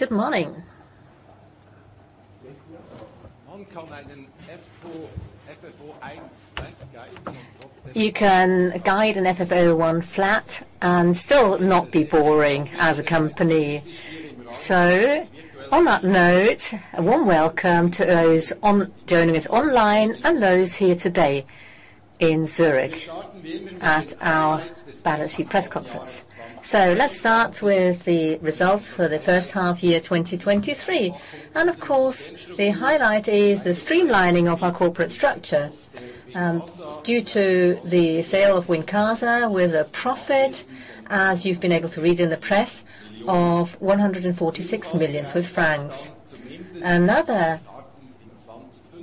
Good morning. You can guide an FFO I flat and still not be boring as a company. So on that note, a warm welcome to those online joining us and those here today in Zurich at our balance sheet press conference. So let's start with the results for the first half year, 2023. And of course, the highlight is the streamlining of our corporate structure. Due to the sale of Wincasa, with a profit, as you've been able to read in the press, of 146 million Swiss francs. Another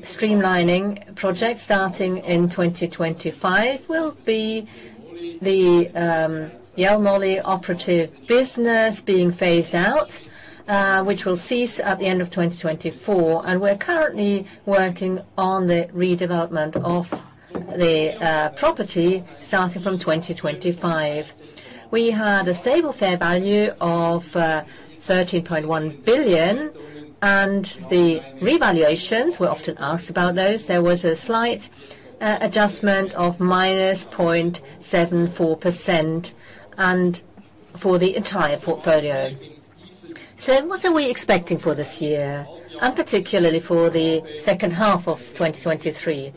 streamlining project, starting in 2025, will be the Jelmoli operative business being phased out, which will cease at the end of 2024. And we're currently working on the redevelopment of the property, starting from 2025. We had a stable fair value of 13.1 billion, and the revaluations, we're often asked about those, there was a slight adjustment of -0.74% for the entire portfolio. So what are we expecting for this year, and particularly for the second half of 2023?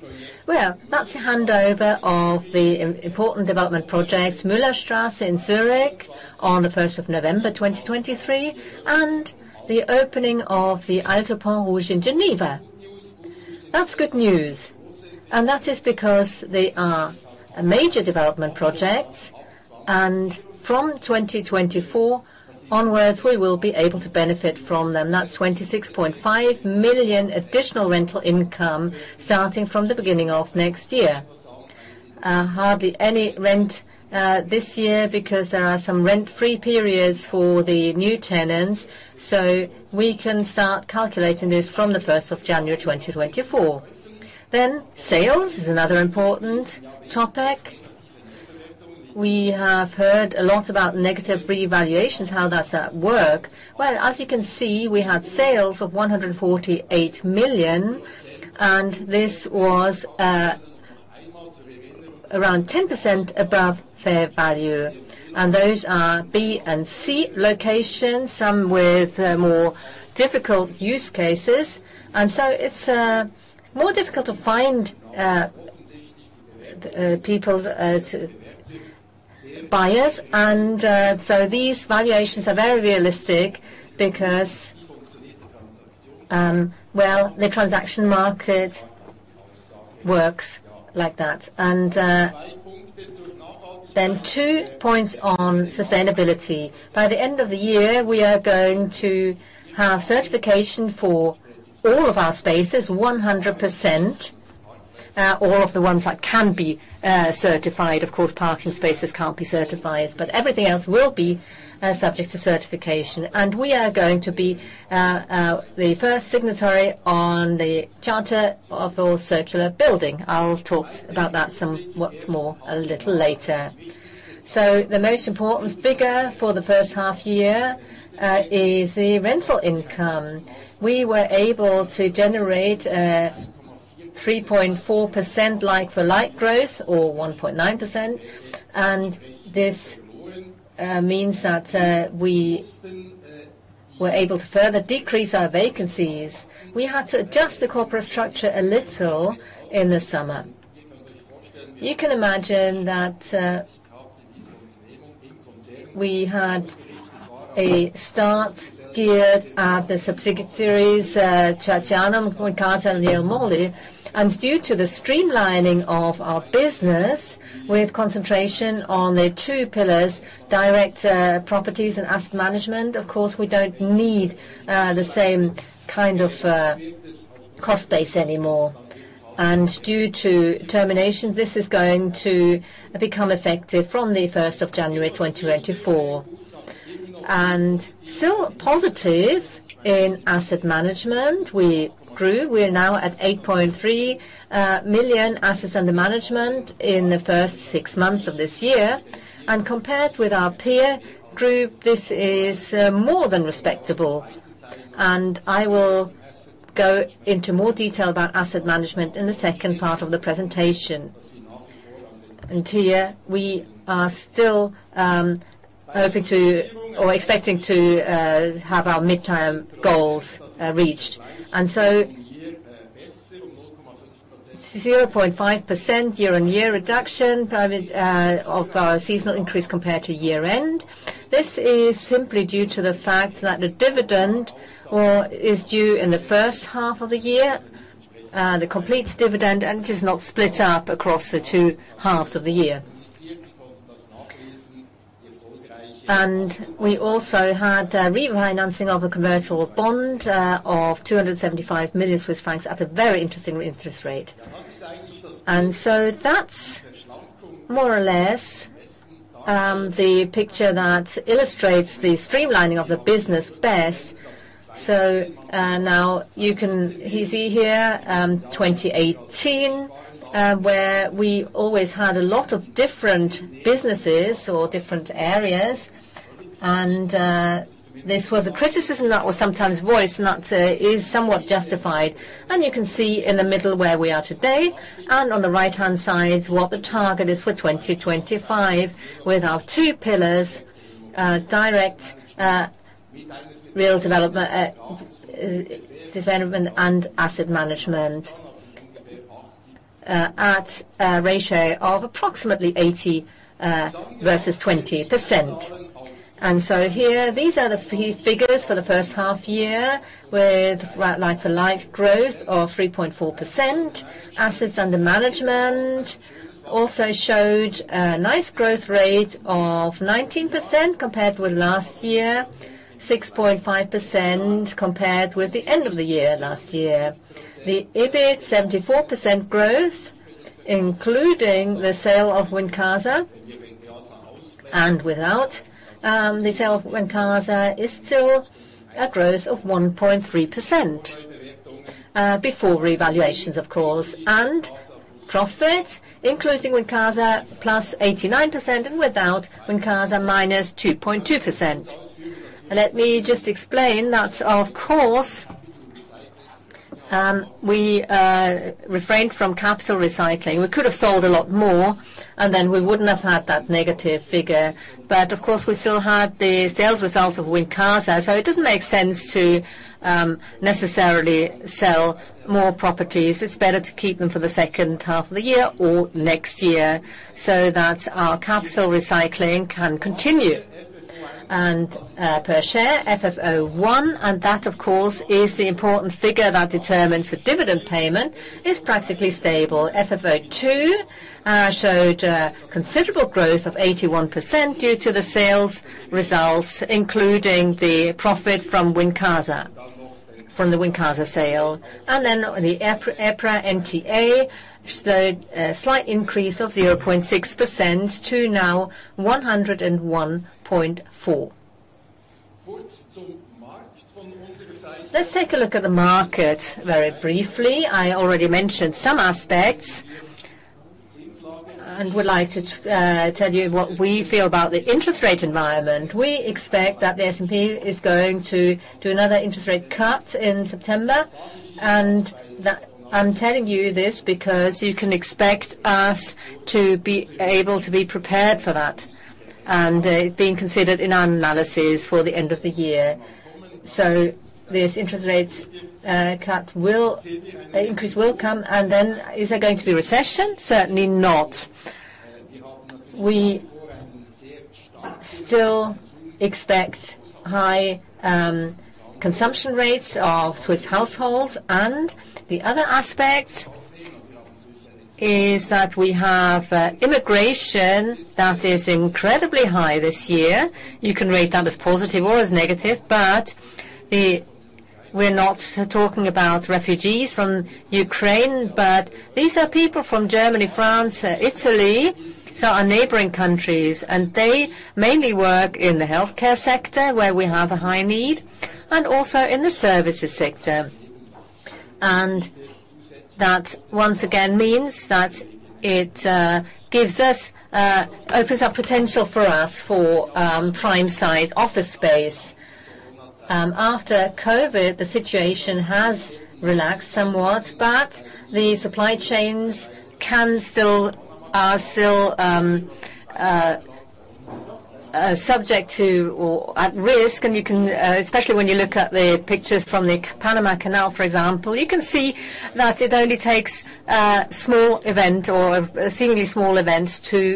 Well, that's the handover of the important development projects, Müllerstrasse in Zurich, on the first of November, 2023, and the opening of the Alto Pont-Rouge in Geneva. That's good news, and that is because they are major development projects, and from 2024 onwards, we will be able to benefit from them. That's 26.5 million additional rental income starting from the beginning of next year. Hardly any rent this year because there are some rent-free periods for the new tenants, so we can start calculating this from the first of January, 2024. Then, sales is another important topic. We have heard a lot about negative revaluations, how that's at work. Well, as you can see, we had sales of 148 million, and this was around 10% above fair value. And those are B and C locations, some with more difficult use cases. And so it's more difficult to find buyers. And so these valuations are very realistic because, well, the transaction market works like that. And then two points on sustainability. By the end of the year, we are going to have certification for all of our spaces, 100%. All of the ones that can be certified, of course, parking spaces can't be certified, but everything else will be subject to certification. And we are going to be the first signatory on the Charta of the Circular Building. I'll talk about that somewhat more a little later. So the most important figure for the first half year is the rental income. We were able to generate 3.4% like-for-like growth or 1.9%, and this means that we were able to further decrease our vacancies. We had to adjust the corporate structure a little in the summer. You can imagine that, we had a start geared at the subsidiaries, Tertianum, Wincasa, and Jelmoli, and due to the streamlining of our business, with concentration on the two pillars, direct properties and asset management, of course, we don't need the same kind of cost base anymore. Due to terminations, this is going to become effective from the 1st of January 2024. Still positive in asset management, we grew. We are now at 8.3 million assets under management in the first six months of this year. Compared with our peer group, this is more than respectable. I will go into more detail about asset management in the second part of the presentation. Here, we are still hoping to or expecting to have our mid-term goals reached. 0.5% year-on-year reduction, private, of our seasonal increase compared to year-end. This is simply due to the fact that the dividend or is due in the first half of the year, the complete dividend, and it is not split up across the two halves of the year. We also had a refinancing of a commercial bond, of 275 million Swiss francs at a very interesting interest rate. That's more or less the picture that illustrates the streamlining of the business best. Now you can see here, 2018, where we always had a lot of different businesses or different areas, and this was a criticism that was sometimes voiced, and that is somewhat justified. You can see in the middle where we are today, and on the right-hand side, what the target is for 2025, with our two pillars: direct real development, development and asset management, at a ratio of approximately 80% versus 20%. Here, these are the figures for the first half year, with like-for-like growth of 3.4%. Assets under management also showed a nice growth rate of 19% compared with last year, 6.5% compared with the end of the year last year. The EBIT, 74% growth, including the sale of Wincasa. Without the sale of Wincasa, is still a growth of 1.3%, before revaluations, of course. Profit, including Wincasa, +89%, and without Wincasa, -2.2%. Let me just explain that, of course, we refrained from capital recycling. We could have sold a lot more, and then we wouldn't have had that negative figure. But of course, we still had the sales results of Wincasa, so it doesn't make sense to necessarily sell more properties. It's better to keep them for the second half of the year or next year, so that our capital recycling can continue. And per share, FFO I, and that, of course, is the important figure that determines the dividend payment, is practically stable. FFO II showed a considerable growth of 81% due to the sales results, including the profit from Wincasa, from the Wincasa sale. And then the EPRA NTA showed a slight increase of 0.6% to now 101.4. Let's take a look at the market very briefly. I already mentioned some aspects, and would like to tell you what we feel about the interest rate environment. We expect that the S&P is going to do another interest rate cut in September, and that I'm telling you this because you can expect us to be able to be prepared for that, and being considered in our analysis for the end of the year. So this interest rate cut will increase, will come, and then is there going to be recession? Certainly not. We still expect high consumption rates of Swiss households, and the other aspect is that we have immigration that is incredibly high this year. You can rate that as positive or as negative, but the-- we're not talking about refugees from Ukraine, but these are people from Germany, France, Italy, so our neighboring countries, and they mainly work in the healthcare sector, where we have a high need, and also in the services sector. And that, once again, means that it, gives us, opens up potential for us for, prime site office space. After COVID, the situation has relaxed somewhat, but the supply chains can still, are still, subject to or at risk, and you can, especially when you look at the pictures from the Panama Canal, for example, you can see that it only takes a small event or seemingly small events to,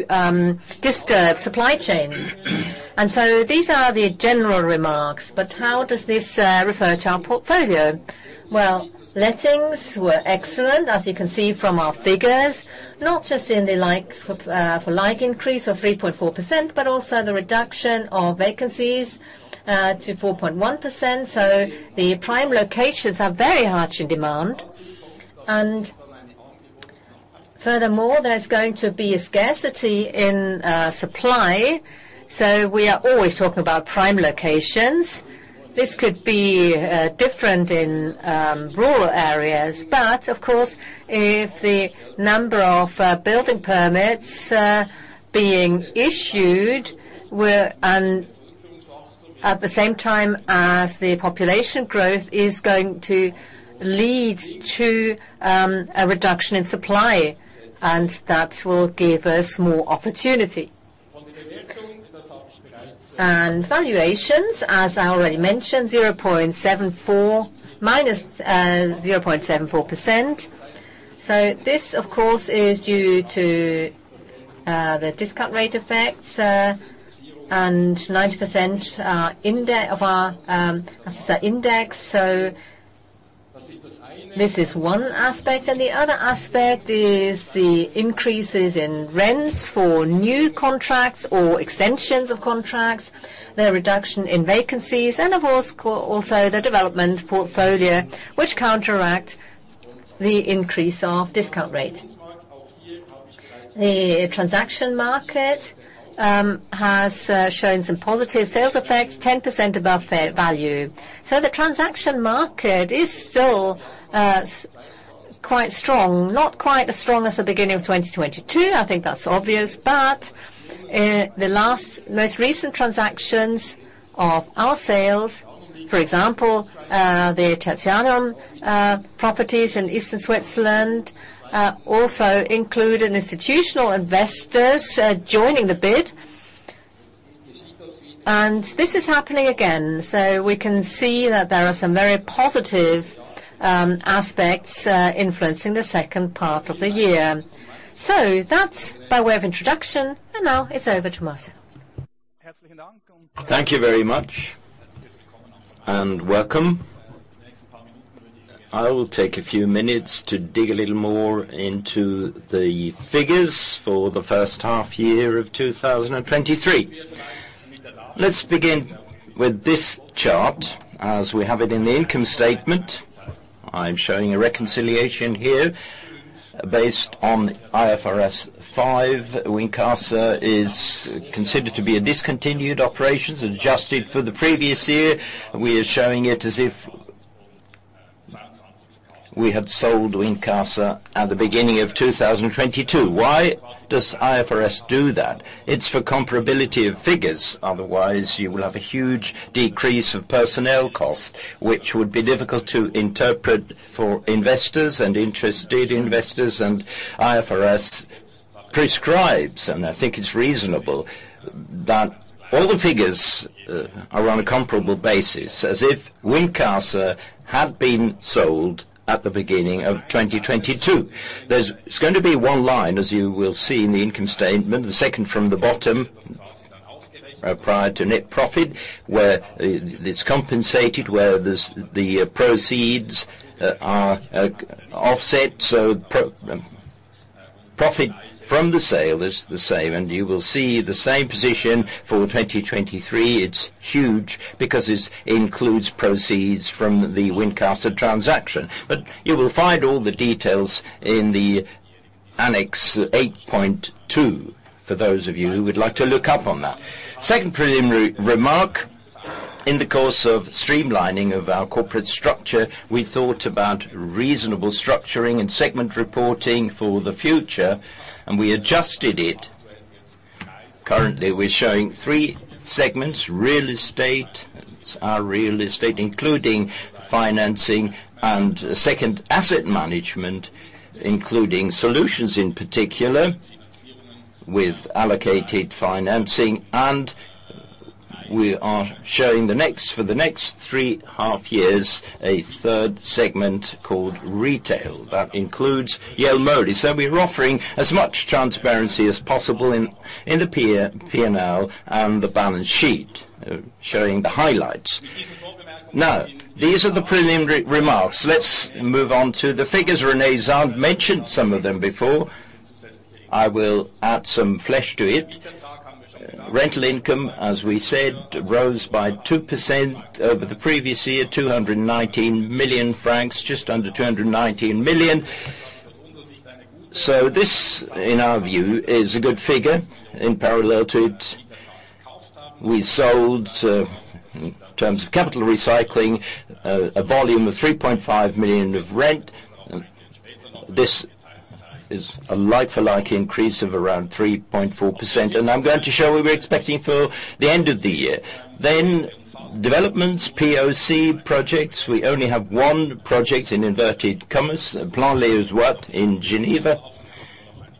disturb supply chains. And so these are the general remarks, but how does this, refer to our portfolio? Well, lettings were excellent, as you can see from our figures, not just in the like-for-like increase of 3.4%, but also the reduction of vacancies to 4.1%. So the prime locations are very much in demand. And furthermore, there's going to be a scarcity in supply, so we are always talking about prime locations. This could be different in rural areas, but of course, if the number of building permits being issued were, and at the same time as the population growth is going to lead to a reduction in supply, and that will give us more opportunity. And valuations, as I already mentioned, -0.74%. So this, of course, is due to the discount rate effects, and 90% are index of our index. So this is one aspect, and the other aspect is the increases in rents for new contracts or extensions of contracts, the reduction in vacancies, and of course, also the development portfolio, which counteract the increase of discount rate. The transaction market has shown some positive sales effects, 10% above fair value. So the transaction market is still quite strong, not quite as strong as the beginning of 2022, I think that's obvious. But the last most recent transactions of our sales, for example, the Tertianum properties in eastern Switzerland, also include an institutional investors joining the bid. This is happening again, so we can see that there are some very positive aspects influencing the second part of the year. That's by way of introduction, and now it's over to Marcel. Thank you very much, and welcome. I will take a few minutes to dig a little more into the figures for the first half year of 2023. Let's begin with this chart. As we have it in the income statement, I'm showing a reconciliation here based on IFRS 5. Wincasa is considered to be a discontinued operations, adjusted for the previous year, we are showing it as if we had sold Wincasa at the beginning of 2022. Why does IFRS do that? It's for comparability of figures. Otherwise, you will have a huge decrease of personnel costs, which would be difficult to interpret for investors and interested investors. And IFRS prescribes, and I think it's reasonable, that all the figures are on a comparable basis, as if Wincasa had been sold at the beginning of 2022. It's going to be one line, as you will see in the income statement, the second from the bottom, prior to net profit, where it's compensated, where there's the proceeds are offset, so profit from the sale is the same, and you will see the same position for 2023. It's huge because it includes proceeds from the Wincasa transaction. But you will find all the details in the Annex 8.2, for those of you who would like to look up on that. Second preliminary remark: in the course of streamlining of our corporate structure, we thought about reasonable structuring and segment reporting for the future, and we adjusted it. Currently, we're showing three segments: real estate, it's our real estate, including financing, and second, asset management, including solutions, in particular, with allocated financing. We are showing the next, for the next three half years, a third segment called retail. That includes Jelmoli. So we're offering as much transparency as possible in, in the peer, P&L and the balance sheet, showing the highlights. Now, these are the preliminary remarks. Let's move on to the figures. René Zahnd mentioned some of them before. I will add some flesh to it. Rental income, as we said, rose by 2% over the previous year, 219 million francs, just under 219 million. So this, in our view, is a good figure. In parallel to it, we sold in terms of capital recycling a volume of 3.5 million of rent. This is a like-for-like increase of around 3.4%, and I'm going to show what we're expecting for the end of the year. Then, developments, POC projects, we only have onr project in inverted commas, Plan-les-Ouates in Geneva,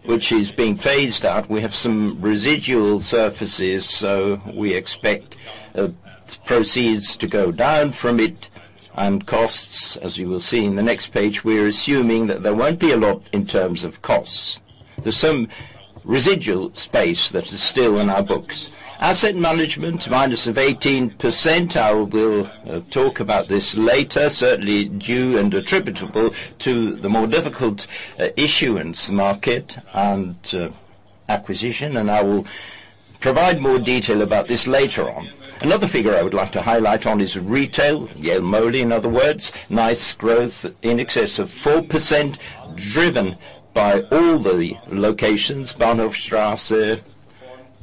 which is being phased out. We have some residual surfaces, so we expect proceeds to go down from it and costs, as you will see in the next page, we are assuming that there won't be a lot in terms of costs. There's some residual space that is still on our books. Asset management, -18%, I will talk about this later, certainly due and attributable to the more difficult issuance market and acquisition, and I will provide more detail about this later on. Another figure I would like to highlight on is retail, Jelmoli, in other words, nice growth in excess of 4%, driven by all the locations. Bahnhofstrasse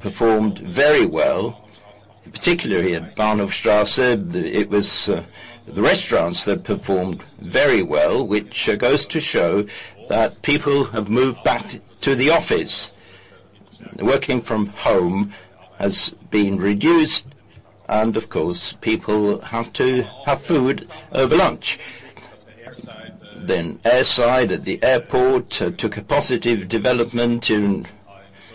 performed very well, particularly at Bahnhofstrasse. It was the restaurants that performed very well, which goes to show that people have moved back to the office. Working from home has been reduced, and of course, people have to have food over lunch. Then Airside at the airport took a positive development in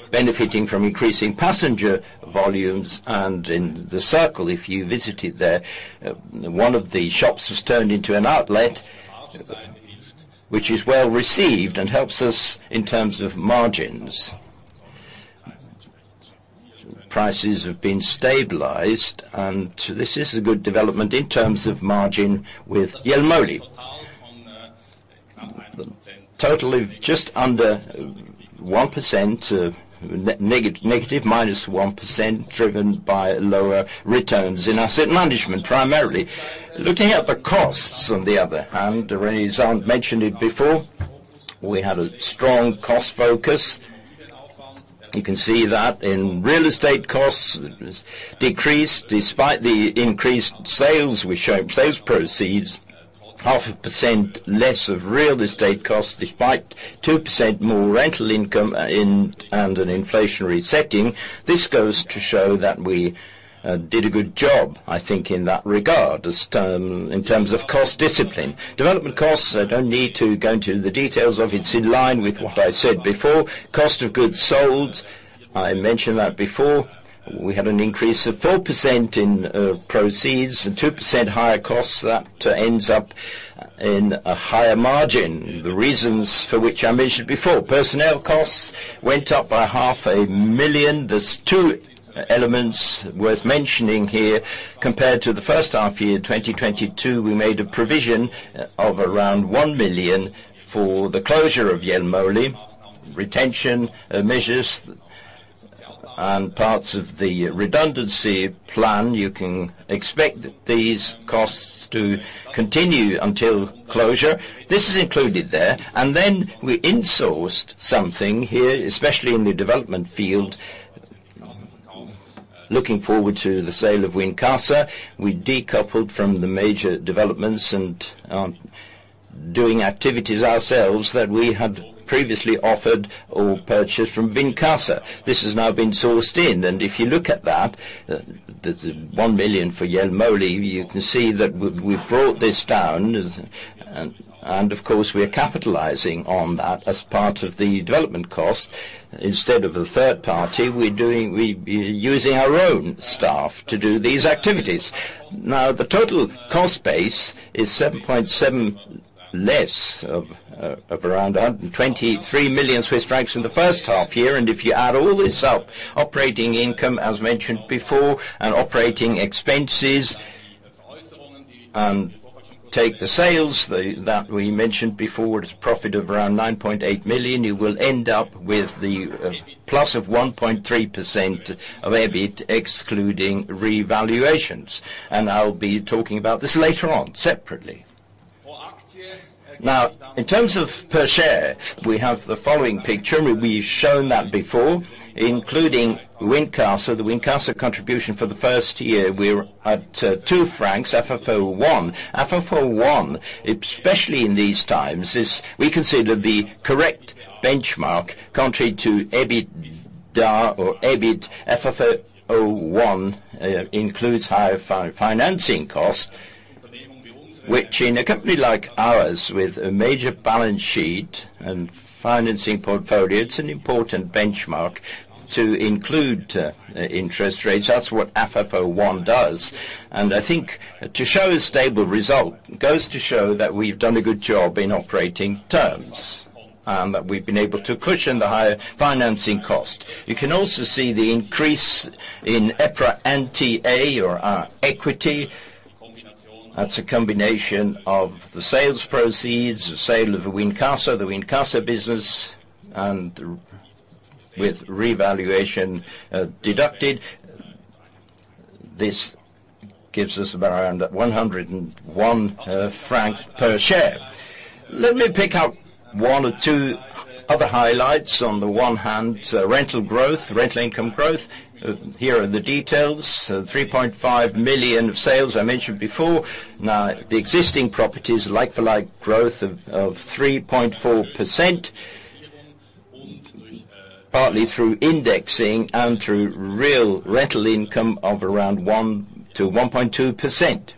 benefiting from increasing passenger volumes and in The Circle, if you visited there, one of the shops was turned into an outlet, which is well received and helps us in terms of margins. Prices have been stabilized, and this is a good development in terms of margin with Jelmoli. Total is just under 1%, -1%, driven by lower returns in asset management, primarily. Looking at the costs, on the other hand, René Zahnd mentioned it before, we had a strong cost focus. You can see that real estate costs decreased despite the increased sales. We show sales proceeds 0.5% less of real estate costs, despite 2% more rental income in an inflationary setting. This goes to show that we did a good job, I think, in that regard, in terms of cost discipline. Development costs, I don't need to go into the details of, it's in line with what I said before. Cost of goods sold, I mentioned that before, we had an increase of 4% in proceeds, and 2% higher costs. That ends up in a higher margin. The reasons for which I mentioned before, personnel costs went up by 500,000. There's two elements worth mentioning here. Compared to the first half year, 2022, we made a provision of around 1 million for the closure of Jelmoli, retention measures, and parts of the redundancy plan. You can expect these costs to continue until closure. This is included there, and then we insourced something here, especially in the development field. Looking forward to the sale of Wincasa, we decoupled from the major developments, and aren't doing activities ourselves that we had previously offered or purchased from Wincasa. This has now been sourced in, and if you look at that, the 1 million for Jelmoli, you can see that we've brought this down. Of course, we are capitalizing on that as part of the development cost. Instead of a third party, we're doing we using our own staff to do these activities. Now, the total cost base is 7.7 million less of around 123 million Swiss francs in the first half year. And if you add all this up, operating income, as mentioned before, and operating expenses, and take the sales that we mentioned before, it's profit of around 9.8 million, you will end up with the plus of 1.3% of EBIT, excluding revaluations. And I'll be talking about this later on separately. Now, in terms of per share, we have the following picture. We've shown that before, including Wincasa. The Wincasa contribution for the first year, we're at 2 francs, FFO I. FFO I, especially in these times, is we consider the correct benchmark, contrary to EBITDA or EBIT, FFO I includes higher financing costs, which in a company like ours, with a major balance sheet and financing portfolio, it's an important benchmark to include, interest rates. That's what FFO I does. I think to show a stable result goes to show that we've done a good job in operating terms, that we've been able to cushion the higher financing cost. You can also see the increase in EPRA NTA or, equity. That's a combination of the sales proceeds, the sale of Wincasa, the Wincasa business, and with revaluation, deducted. This gives us around 101 francs per share. Let me pick out one or two other highlights. On the one hand, rental growth, rental income growth. Here are the details. So 3.5 million of sales I mentioned before. Now, the existing properties, like-for-like growth of 3.4%, partly through indexing and through real rental income of around 1%-1.2%.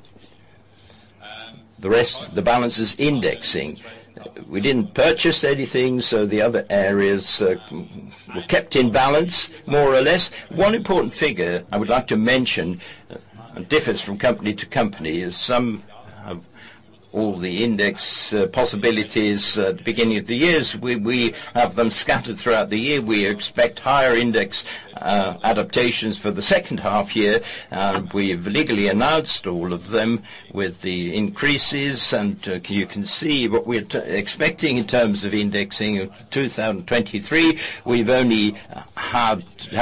The rest, the balance is indexing. We didn't purchase anything, so the other areas were kept in balance, more or less. One important figure I would like to mention, differs from company to company, is sum of all the index possibilities at the beginning of the years. We have them scattered throughout the year. We expect higher index adaptations for the second half year. We've legally announced all of them with the increases, and you can see what we're expecting in terms of indexing of 2023. We have only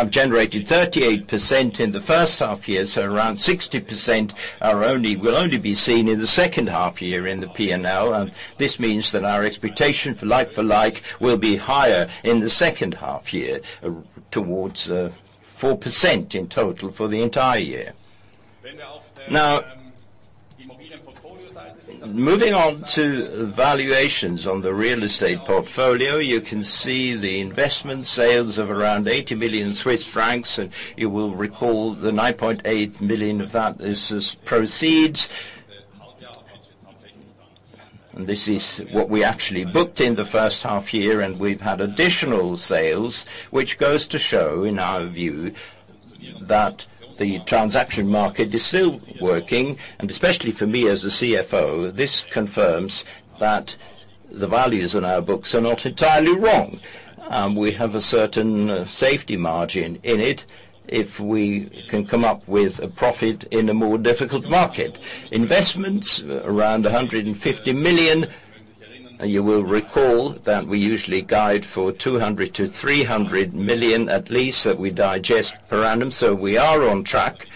generated 38% in the first half year, so around 60% will only be seen in the second half year in the P&L. And this means that our expectation for like-for-like will be higher in the second half year, towards 4% in total for the entire year. Now, moving on to valuations on the real estate portfolio, you can see the investment sales of around 80 million Swiss francs, and you will recall the 9.8 million of that is as proceeds. And this is what we actually booked in the first half year, and we've had additional sales, which goes to show, in our view, that the transaction market is still working, and especially for me as a CFO, this confirms that the values in our books are not entirely wrong. We have a certain safety margin in it if we can come up with a profit in a more difficult market. Investments, around 150 million, and you will recall that we usually guide for 200 million-300 million, at least, that we digest per annum, so we are on track.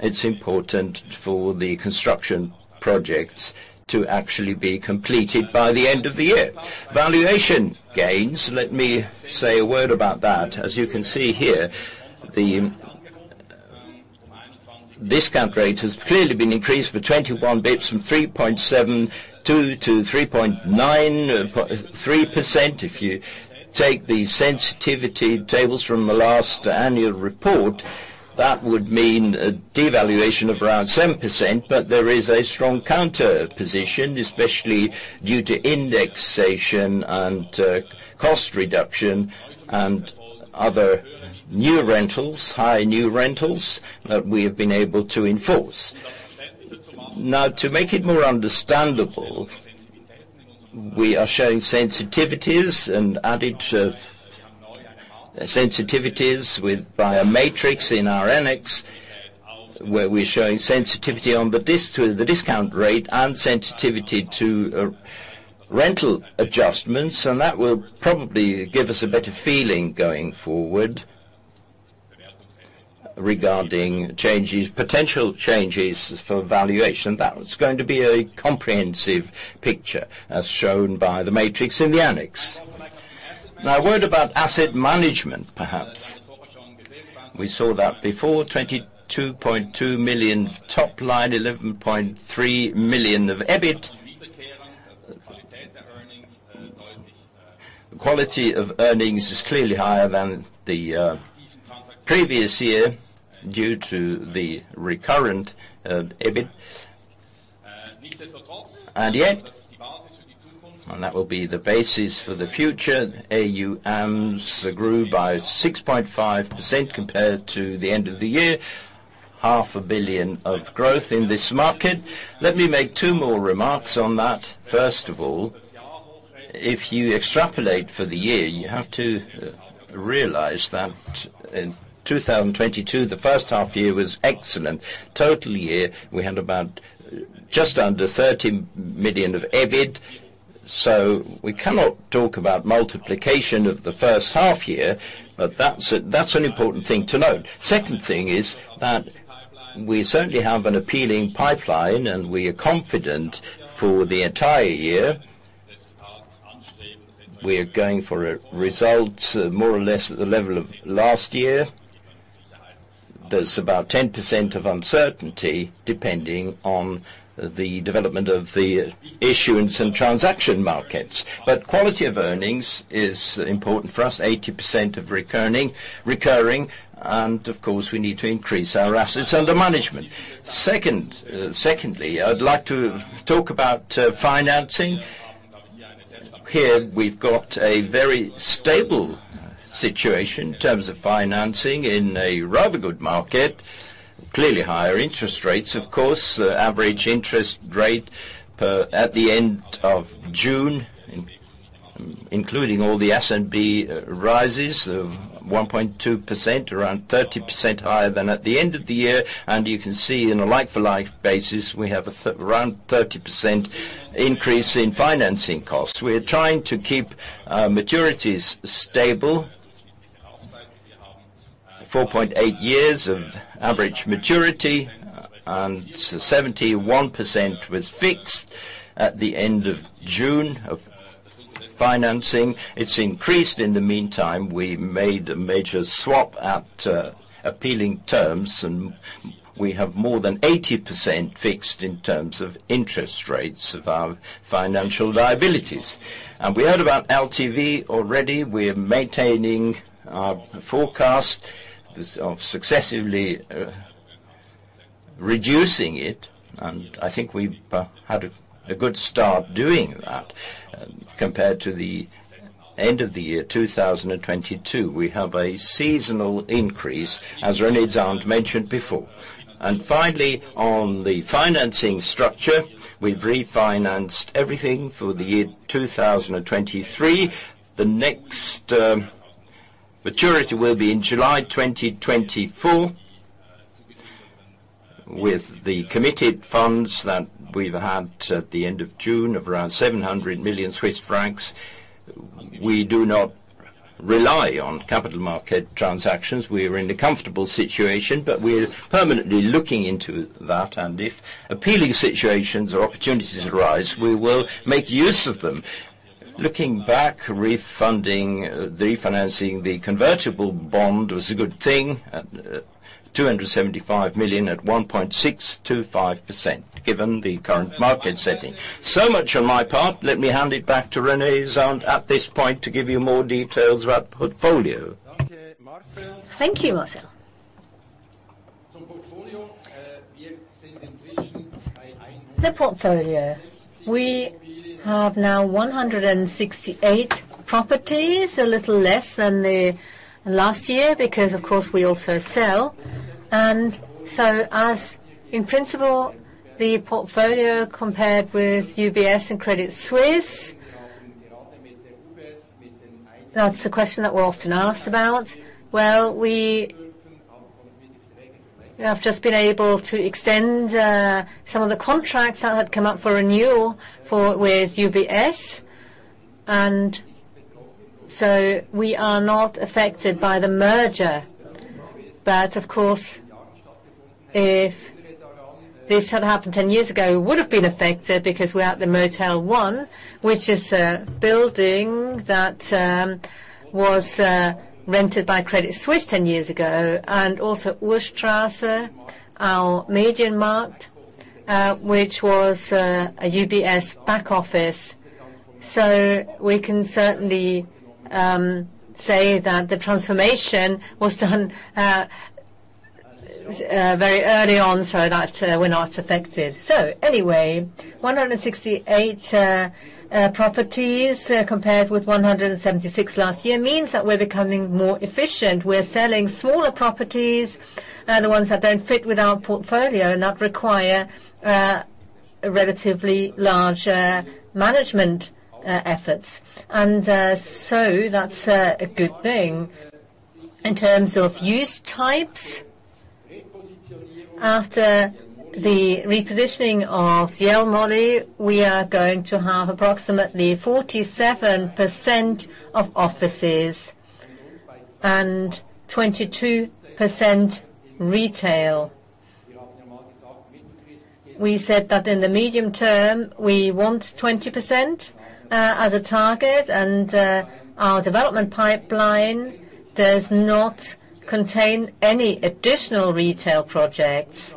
It's important for the construction projects to actually be completed by the end of the year. Valuation gains, let me say a word about that. As you can see here, the discount rate has clearly been increased by 21 basis points, from 3.72% to 3.93%. If you take the sensitivity tables from the last annual report, that would mean a devaluation of around 7%, but there is a strong counter position, especially due to indexation and, cost reduction, and other new rentals, high new rentals, that we have been able to enforce. Now, to make it more understandable, we are showing sensitivities and added of sensitivities with, by a matrix in our annex, where we're showing sensitivity on the discount rate and sensitivity to, rental adjustments, and that will probably give us a better feeling going forward regarding changes, potential changes for valuation. That was going to be a comprehensive picture, as shown by the matrix in the annex. Now, a word about asset management, perhaps. We saw that before, 22.2 million top line, 11.3 million of EBIT. The quality of earnings is clearly higher than the previous year, due to the recurrent EBIT. And yet, and that will be the basis for the future, AUMs grew by 6.5% compared to the end of the year. 500 million of growth in this market. Let me make two more remarks on that. First of all, if you extrapolate for the year, you have to realize that in 2022, the first half year was excellent. Total year, we had about just under 30 million of EBIT, so we cannot talk about multiplication of the first half year, but that's, that's an important thing to note. Second thing is that we certainly have an appealing pipeline, and we are confident for the entire year. We are going for results, more or less, at the level of last year. There's about 10% of uncertainty, depending on the development of the issuance and transaction markets. But quality of earnings is important for us, 80% of recurring, recurring, and of course, we need to increase our assets under management. Second, secondly, I'd like to talk about financing. Here, we've got a very stable situation in terms of financing in a rather good market. Clearly higher interest rates, of course, average interest rate per-- at the end of June, including all the S&P rises of 1.2%, around 30% higher than at the end of the year. And you can see in a like-for-like basis, we have around 30% increase in financing costs. We are trying to keep maturities stable. 4.8 years of average maturity, and 71% was fixed at the end of June of financing. It's increased in the meantime. We made a major swap at appealing terms, and we have more than 80% fixed in terms of interest rates of our financial liabilities. We heard about LTV already. We are maintaining our forecast of successively reducing it, and I think we've had a good start doing that. Compared to the end of the year 2022, we have a seasonal increase, as René Zahnd mentioned before. Finally, on the financing structure, we've refinanced everything for the year 2023. The next maturity will be in July 2024. With the committed funds that we've had at the end of June, of around 700 million Swiss francs, we do not rely on capital market transactions. We are in a comfortable situation, but we are permanently looking into that, and if appealing situations or opportunities arise, we will make use of them. Looking back, refunding, refinancing the convertible bond was a good thing, at 275 million at 1.625%, given the current market setting. So much on my part. Let me hand it back to René Zahnd at this point, to give you more details about portfolio. Thank you, Marcel. The portfolio. We have now 168 properties, a little less than the last year, because, of course, we also sell. So, as in principle, the portfolio compared with UBS and Credit Suisse, that's a question that we're often asked about. Well, we have just been able to extend some of the contracts that had come up for renewal with UBS. So we are not affected by the merger. But of course, if this had happened 10 years ago, we would have been affected because we're at the Motel One, which is a building that was rented by Credit Suisse ten years ago, and also Dorfstrasse, our MediaMarkt, which was a UBS back office. So we can certainly say that the transformation was done very early on, so that we're not affected. So anyway, 168 properties, compared with 176 last year, means that we're becoming more efficient. We're selling smaller properties, the ones that don't fit with our portfolio, and that require a relatively large management efforts. And so that's a good thing. In terms of use types, after the repositioning of Jelmoli, we are going to have approximately 47% of offices and 22% retail. We said that in the medium term, we want 20% as a target, and our development pipeline does not contain any additional retail projects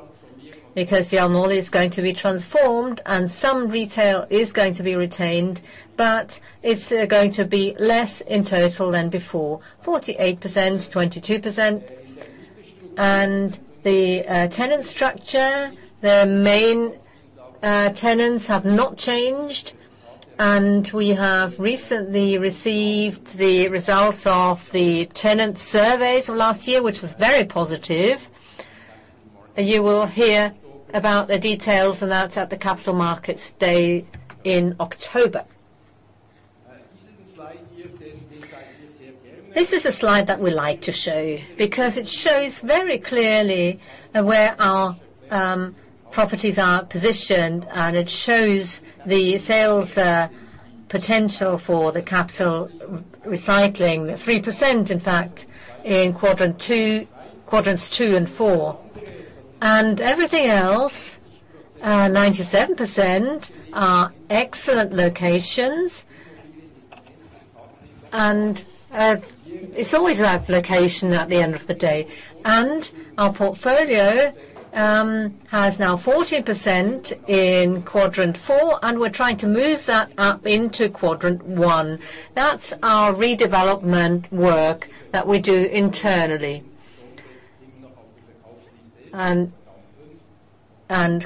because Jelmoli is going to be transformed, and some retail is going to be retained, but it's going to be less in total than before. 48%, 22%. The tenant structure, the main tenants have not changed, and we have recently received the results of the tenant surveys of last year, which was very positive. You will hear about the details of that at the Capital Markets Day in October. This is a slide that we like to show you because it shows very clearly where our properties are positioned, and it shows the sales potential for the capital recycling. 3%, in fact, in Quadrant II, Quadrant II and IV. Everything else, 97% are excellent locations, and it's always about location at the end of the day. Our portfolio has now 14% in Quadrant IV, and we're trying to move that up into Quadrant I. That's our redevelopment work that we do internally.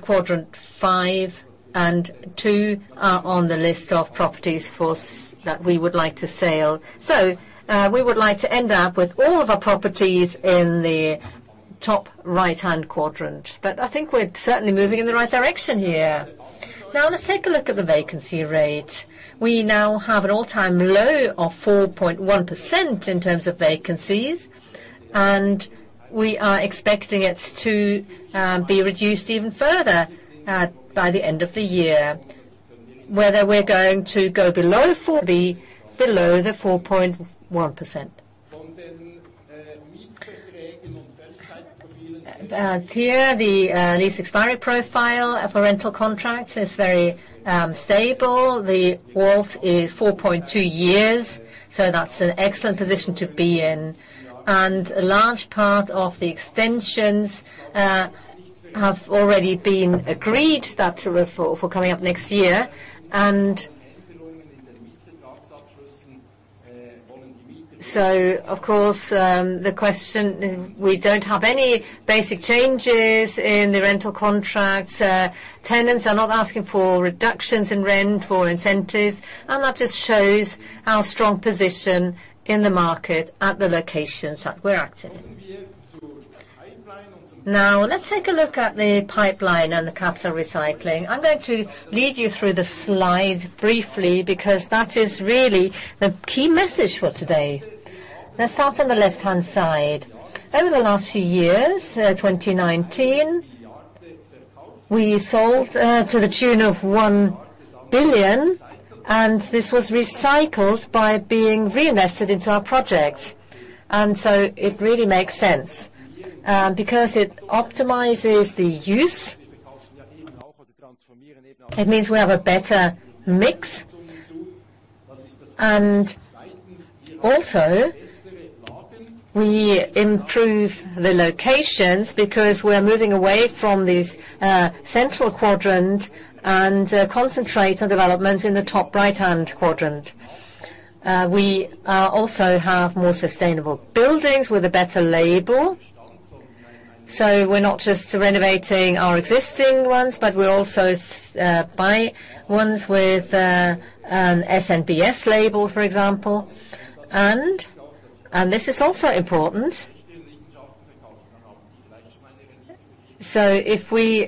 Quadrant V and II are on the list of properties for sale that we would like to sell. So, we would like to end up with all of our properties in the top right-hand quadrant. But I think we're certainly moving in the right direction here. Now let's take a look at the vacancy rate. We now have an all-time low of 4.1% in terms of vacancies, and we are expecting it to be reduced even further by the end of the year. Whether we're going to go below four, be below the 4.1%. Here, the lease expiry profile for rental contracts is very stable. The WAULT is 4.2 years, so that's an excellent position to be in. A large part of the extensions have already been agreed that for coming up next year. So of course, the question, we don't have any basic changes in the rental contracts. Tenants are not asking for reductions in rent or incentives, and that just shows our strong position in the market at the locations that we're active in. Now, let's take a look at the pipeline and the capital recycling. I'm going to lead you through the slide briefly, because that is really the key message for today. Let's start on the left-hand side. Over the last few years, 2019, we sold to the tune of 1 billion, and this was recycled by being reinvested into our projects. So it really makes sense, because it optimizes the use. It means we have a better mix, and also, we improve the locations because we are moving away from this central quadrant and concentrate on developments in the top right-hand quadrant. We also have more sustainable buildings with a better label, so we're not just renovating our existing ones, but we're also buy ones with an SNBS label, for example. And, and this is also important. So if we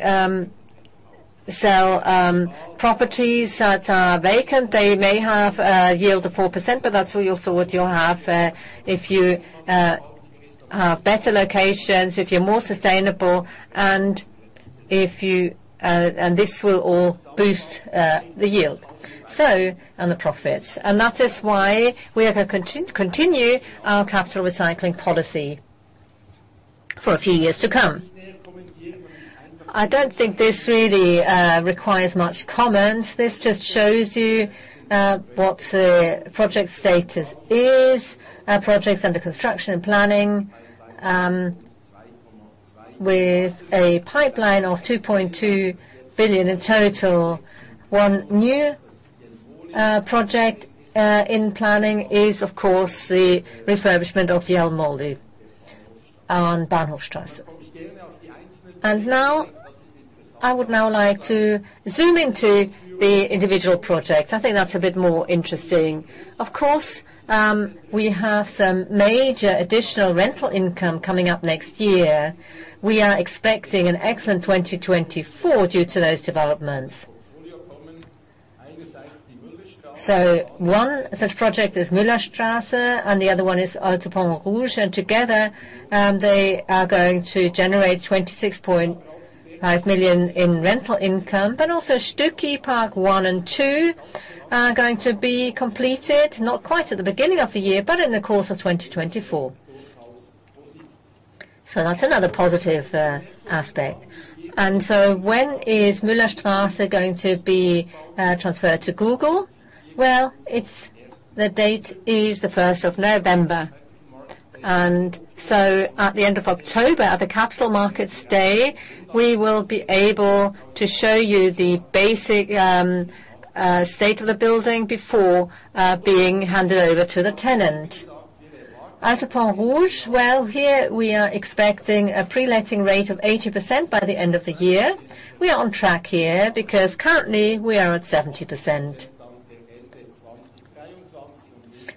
sell properties that are vacant, they may have a yield of 4%, but that's also what you'll have if you have better locations, if you're more sustainable, and if you, and this will all boost the yield, so, and the profits. And that is why we are going to continue our capital recycling policy for a few years to come. I don't think this really requires much comment. This just shows you what the project status is, our projects under construction and planning, with a pipeline of 2.2 billion in total. One new project in planning is, of course, the refurbishment of the Jelmoli on Bahnhofstrasse. And now, I would now like to zoom into the individual projects. I think that's a bit more interesting. Of course, we have some major additional rental income coming up next year. We are expecting an excellent 2024 due to those developments. So one such project is Müllerstrasse, and the other one is Alto Pont-Rouge, and together, they are going to generate 26.5 million in rental income. But also Stücki Park I and II are going to be completed, not quite at the beginning of the year, but in the course of 2024. So that's another positive aspect. And so when is Müllerstrasse going to be transferred to Google? Well, it's the date is the first of November. And so at the end of October, at the Capital Markets Day, we will be able to show you the basic state of the building before being handed over to the tenant. At the Pont-Rouge, well, here we are expecting a pre-letting rate of 80% by the end of the year. We are on track here because currently we are at 70%.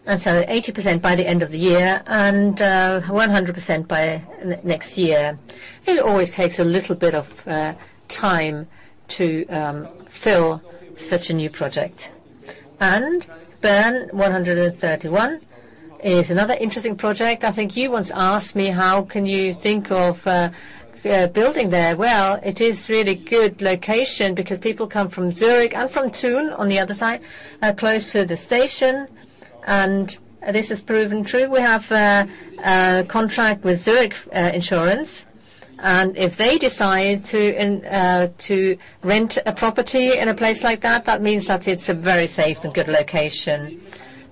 And so 80% by the end of the year and 100% by next year. It always takes a little bit of time to fill such a new project. And BERN 131 is another interesting project. I think you once asked me: How can you think of a building there? Well, it is really good location because people come from Zurich and from Thun on the other side, close to the station, and this has proven true. We have a contract with Zurich Insurance, and if they decide to rent a property in a place like that, that means that it's a very safe and good location.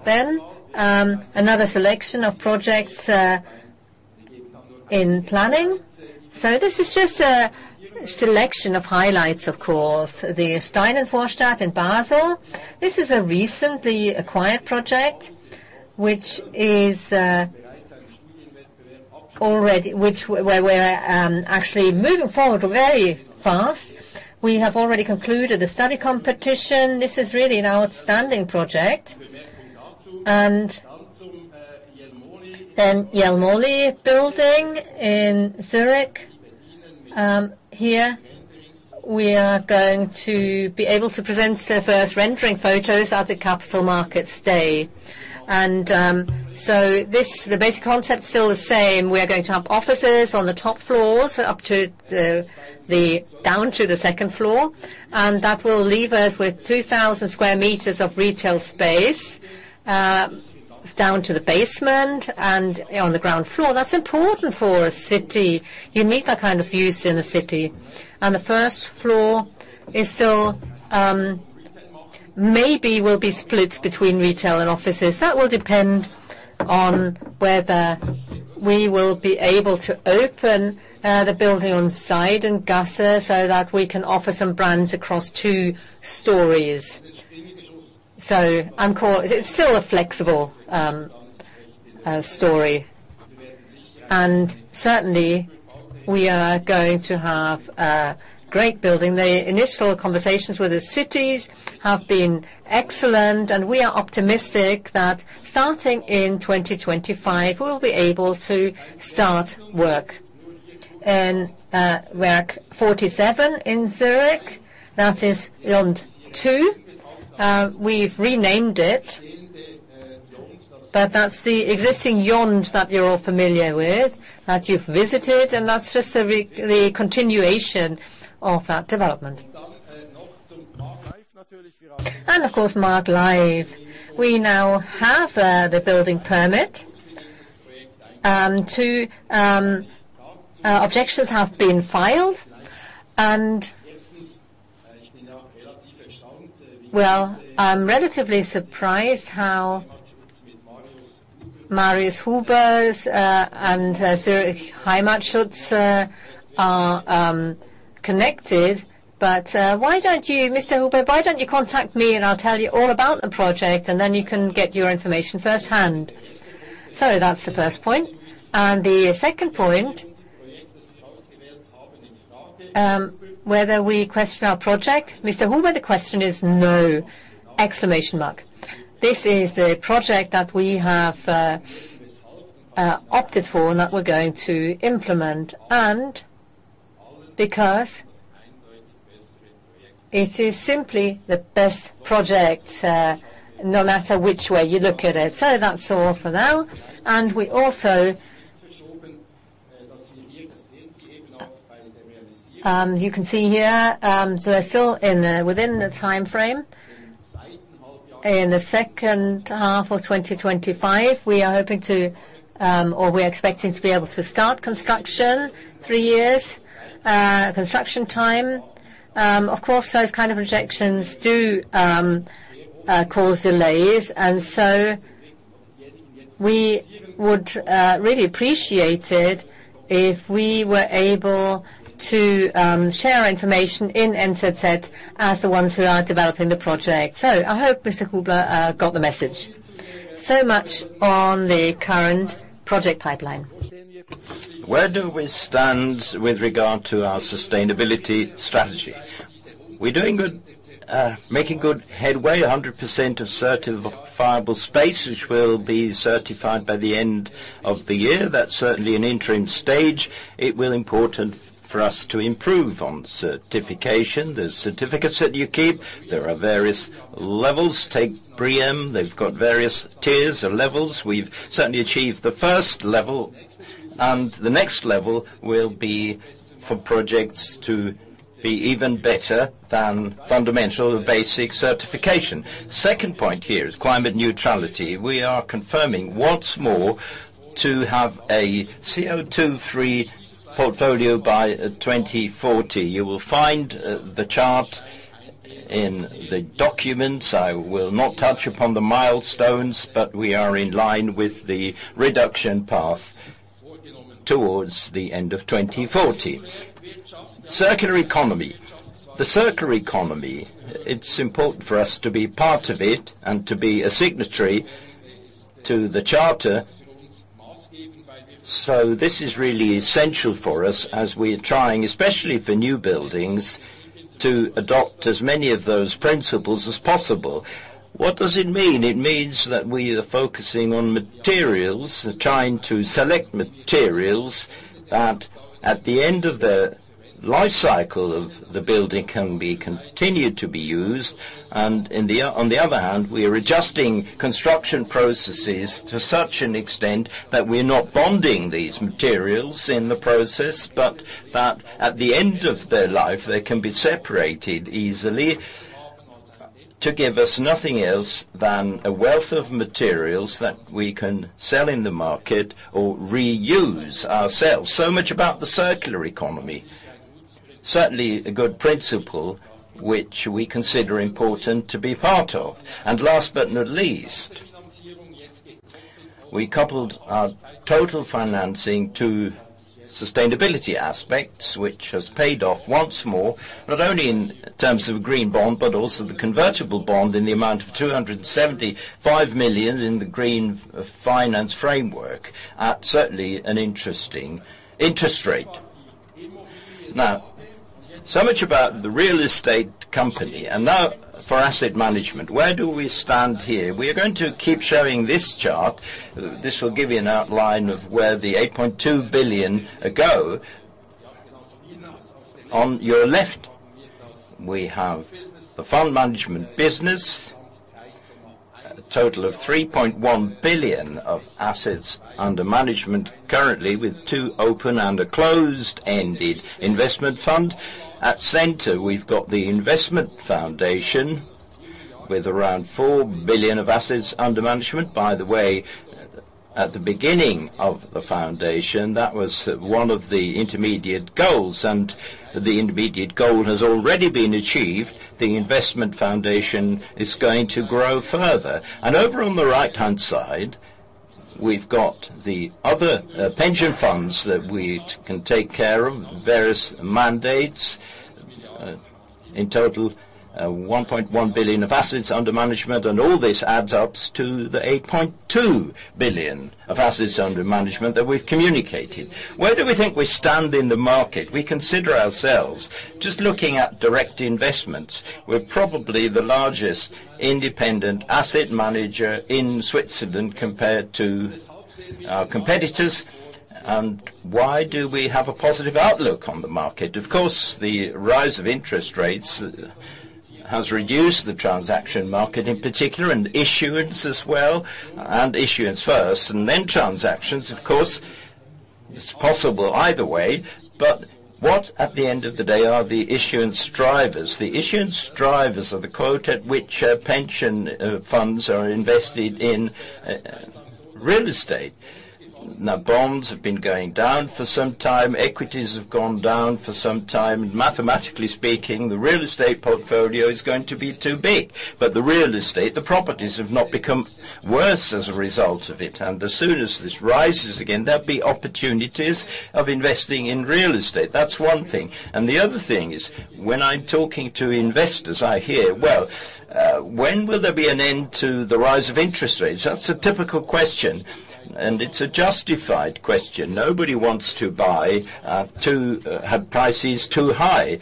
Then, another selection of projects in planning. So this is just a selection of highlights, of course. The Steinenvorstadt in Basel, this is a recently acquired project, which is already where we're actually moving forward very fast. We have already concluded the study competition. This is really an outstanding project. Then Jelmoli building in Zurich. Here we are going to be able to present the first rendering photos at the Capital Markets Day. So this, the basic concept is still the same. We are going to have offices on the top floors, up to the, the, down to the second floor, and that will leave us with 2,000 square meters of retail space, down to the basement and on the ground floor. That's important for a city. You need that kind of use in a city. The first floor is still, maybe will be split between retail and offices. That will depend on whether we will be able to open the building on Seidengasse so that we can offer some brands across two stories. So it's still a flexible story, and certainly, we are going to have a great building. The initial conversations with the cities have been excellent, and we are optimistic that starting in 2025, we will be able to start work. Werk 47 in Zurich, that is YOND 2. We've renamed it, but that's the existing YOND that you're all familiar with, that you've visited, and that's just the continuation of that development. And of course, Maaglive. We now have the building permit. Two objections have been filed, and, well, I'm relatively surprised how Marius Huber and Zürcher Heimatschutz are connected. But why don't you, Mr. Huber, contact me, and I'll tell you all about the project, and then you can get your information firsthand? So that's the first point. And the second point, whether we question our project, Mr. Huber, the question is no. This is the project that we have opted for and that we're going to implement, and because it is simply the best project, no matter which way you look at it. So that's all for now. And we also, you can see here, so we're still within the time frame. In the second half of 2025, we are hoping to or we are expecting to be able to start construction, three years construction time. Of course, those kind of rejections do cause delays, and so we would really appreciate it if we were able to share our information in NZZ as the ones who are developing the project. So I hope Mr. Huber got the message. So much on the current project pipeline. Where do we stand with regard to our sustainability strategy? We're doing good, making good headway, 100% of certifiable space, which will be certified by the end of the year. That's certainly an interim stage. It will important for us to improve on certification. There's certificates that you keep. There are various levels. Take BREEAM, they've got various tiers or levels. We've certainly achieved the first level, and the next level will be for projects to be even better than fundamental basic certification. Second point here is climate neutrality. We are confirming once more to have a CO2 free portfolio by 2040. You will find the chart in the documents. I will not touch upon the milestones, but we are in line with the reduction path towards the end of 2040. Circular economy. The circular economy, it's important for us to be part of it and to be a signatory to the charter. So this is really essential for us as we are trying, especially for new buildings, to adopt as many of those principles as possible. What does it mean? It means that we are focusing on materials, trying to select materials that at the end of the life cycle of the building, can be continued to be used. And on the other hand, we are adjusting construction processes to such an extent that we're not bonding these materials in the process, but that at the end of their life, they can be separated easily to give us nothing else than a wealth of materials that we can sell in the market or reuse ourselves. So much about the circular economy. Certainly, a good principle, which we consider important to be part of. And last but not least, we coupled our total financing to sustainability aspects, which has paid off once more, not only in terms of Green Bond, but also the Convertible Bond in the amount of 275 million in the Green Finance Framework, at certainly an interesting interest rate. Now, so much about the real estate company, and now for asset management. Where do we stand here? We are going to keep showing this chart. This will give you an outline of where the 8.2 billion go. On your left, we have the fund management business, a total of 3.1 billion of assets under management, currently with two open and a closed-ended investment fund. At center, we've got the investment foundation with around 4 billion of assets under management. By the way, at the beginning of the foundation, that was one of the intermediate goals, and the intermediate goal has already been achieved. The investment foundation is going to grow further. Over on the right-hand side, we've got the other, pension funds that we can take care of, various mandates. In total, 1.1 billion of assets under management, and all this adds up to the 8.2 billion of assets under management that we've communicated. Where do we think we stand in the market? We consider ourselves, just looking at direct investments, we're probably the largest independent asset manager in Switzerland compared to our competitors. Why do we have a positive outlook on the market? Of course, the rise of interest rates has reduced the transaction market, in particular, and issuance as well, and issuance first, and then transactions, of course. It's possible either way. But what, at the end of the day, are the issuance drivers? The issuance drivers are the quote at which pension funds are invested in real estate. Now, bonds have been going down for some time. Equities have gone down for some time. Mathematically speaking, the real estate portfolio is going to be too big, but the real estate, the properties, have not become worse as a result of it, and as soon as this rises again, there'll be opportunities of investing in real estate. That's one thing. And the other thing is, when I'm talking to investors, I hear, "Well, when will there be an end to the rise of interest rates?" That's a typical question, and it's a justified question. Nobody wants to buy, have prices too high,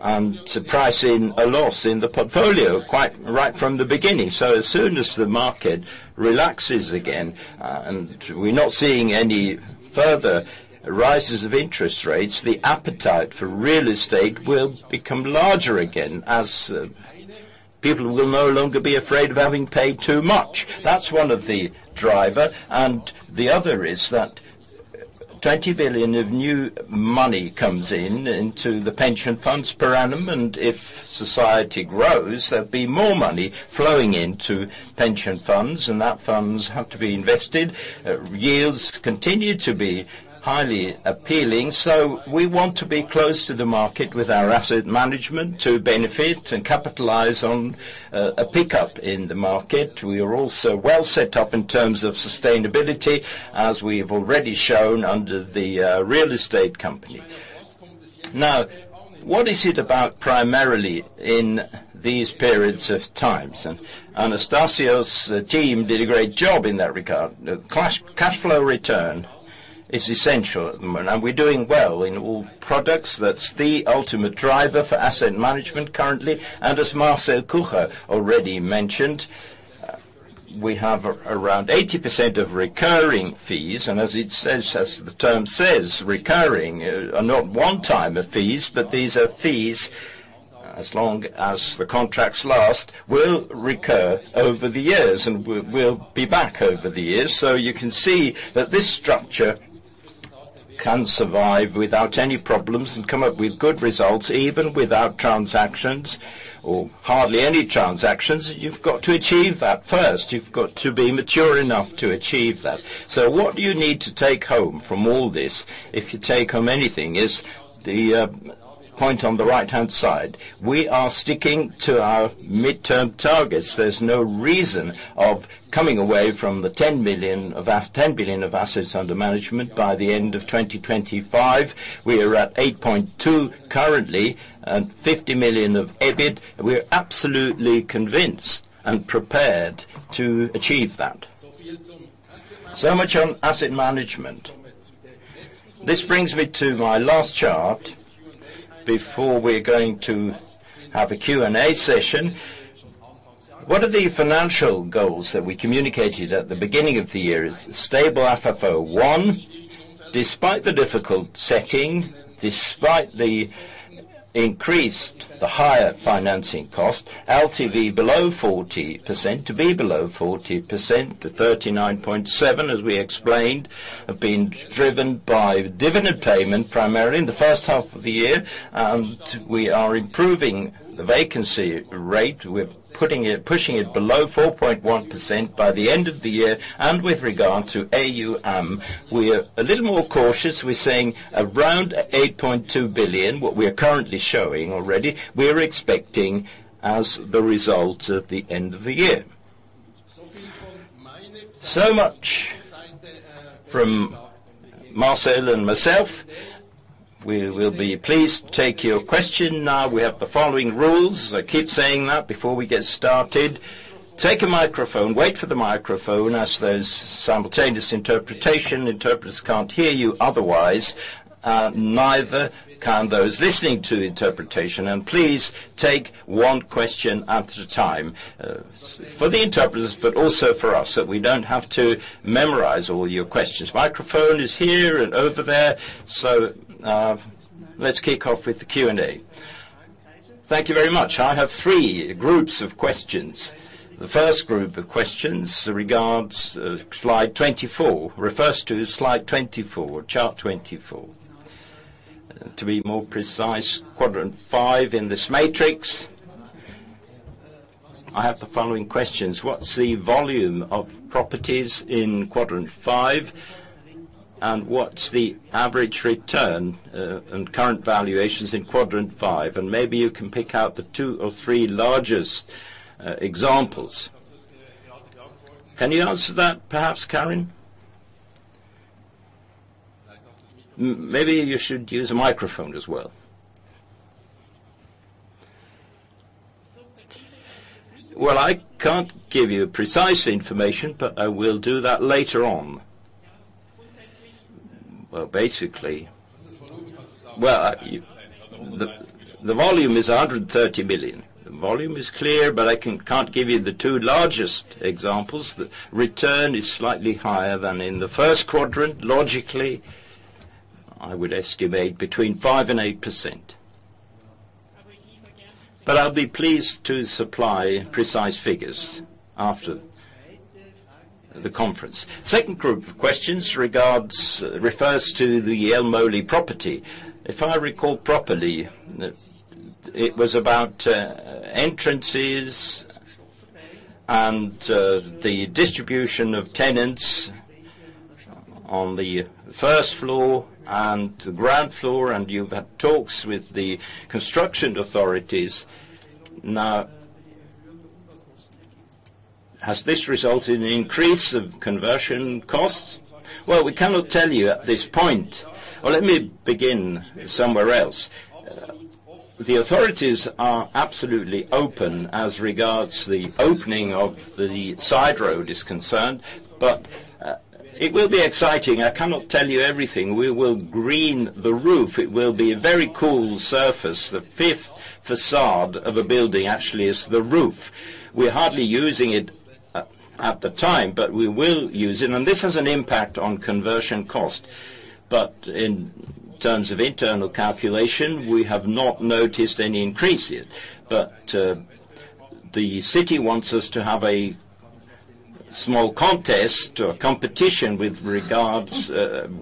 and surprising a loss in the portfolio, quite right from the beginning. So as soon as the market relaxes again, and we're not seeing any further rises of interest rates, the appetite for real estate will become larger again as, people will no longer be afraid of having paid too much. That's one of the driver, and the other is that 20 billion of new money comes in into the pension funds per annum, and if society grows, there'll be more money flowing into pension funds, and that funds have to be invested. Yields continue to be highly appealing, so we want to be close to the market with our asset management to benefit and capitalize on, a pickup in the market. We are also well set up in terms of sustainability, as we have already shown under the real estate company. Now, what is it about primarily in these periods of times? And Anastasius's team did a great job in that regard. Cash flow return is essential at the moment, and we're doing well in all products. That's the ultimate driver for asset management currently. And as Marcel Kucher already mentioned, we have around 80% of recurring fees, and as it says, as the term says, recurring are not one time fees, but these are fees as long as the contracts last, will recur over the years, and we will be back over the years. So you can see that this structure can survive without any problems and come up with good results, even without transactions or hardly any transactions. You've got to achieve that first. You've got to be mature enough to achieve that. So what you need to take home from all this, if you take home anything, is the point on the right-hand side. We are sticking to our midterm targets. There's no reason of coming away from the 10 billion of assets under management by the end of 2025. We are at 8.2 billion currently and 50 million of EBIT, and we are absolutely convinced and prepared to achieve that. So much on asset management. This brings me to my last chart before we're going to have a Q&A session. What are the financial goals that we communicated at the beginning of the year? It's stable FFO I, despite the difficult setting, despite the increased, the higher financing cost, LTV below 40%, to be below 40% to 39.7%, as we explained, have been driven by dividend payment, primarily in the first half of the year, and we are improving the vacancy rate. We're putting it, pushing it below 4.1% by the end of the year. And with regard to AUM, we are a little more cautious. We're saying around 8.2 billion, what we are currently showing already, we are expecting as the result at the end of the year. So much from Marcel and myself. We will be pleased to take your question now. We have the following rules. I keep saying that before we get started. Take a microphone, wait for the microphone, as there's simultaneous interpretation. Interpreters can't hear you otherwise, neither can those listening to interpretation. Please, take one question at a time, for the interpreters, but also for us, so we don't have to memorize all your questions. Microphone is here and over there. So, let's kick off with the Q&A. Thank you very much. I have three groups of questions. The first group of questions regards slide 24, refers to slide 24, chart 24. To be more precise, Quadrant V in this matrix. I have the following questions: What's the volume of properties in Quadrant V, and what's the average return, and current valuations in Quadrant V? And maybe you can pick out the 2 or 3 largest examples. Can you answer that, perhaps, Karin? Maybe you should use a microphone as well. Well, I can't give you precise information, but I will do that later on. Well, basically, well, the volume is 130 billion. The volume is clear, but I can't give you the two largest examples. The return is slightly higher than in the first quadrant. Logically, I would estimate between 5% and 8%. But I'll be pleased to supply precise figures after the conference. Second group of questions regards, refers to the Jelmoli property. If I recall properly, it was about entrances and the distribution of tenants on the first floor and ground floor, and you've had talks with the construction authorities. Now, has this resulted in an increase of conversion costs? Well, we cannot tell you at this point. Well, let me begin somewhere else. The authorities are absolutely open as regards the opening of the side road is concerned, but, it will be exciting. I cannot tell you everything. We will green the roof. It will be a very cool surface. The fifth facade of a building, actually, is the roof. We're hardly using it at the time, but we will use it, and this has an impact on conversion cost. But in terms of internal calculation, we have not noticed any increases. But, the city wants us to have a small contest or competition with regards,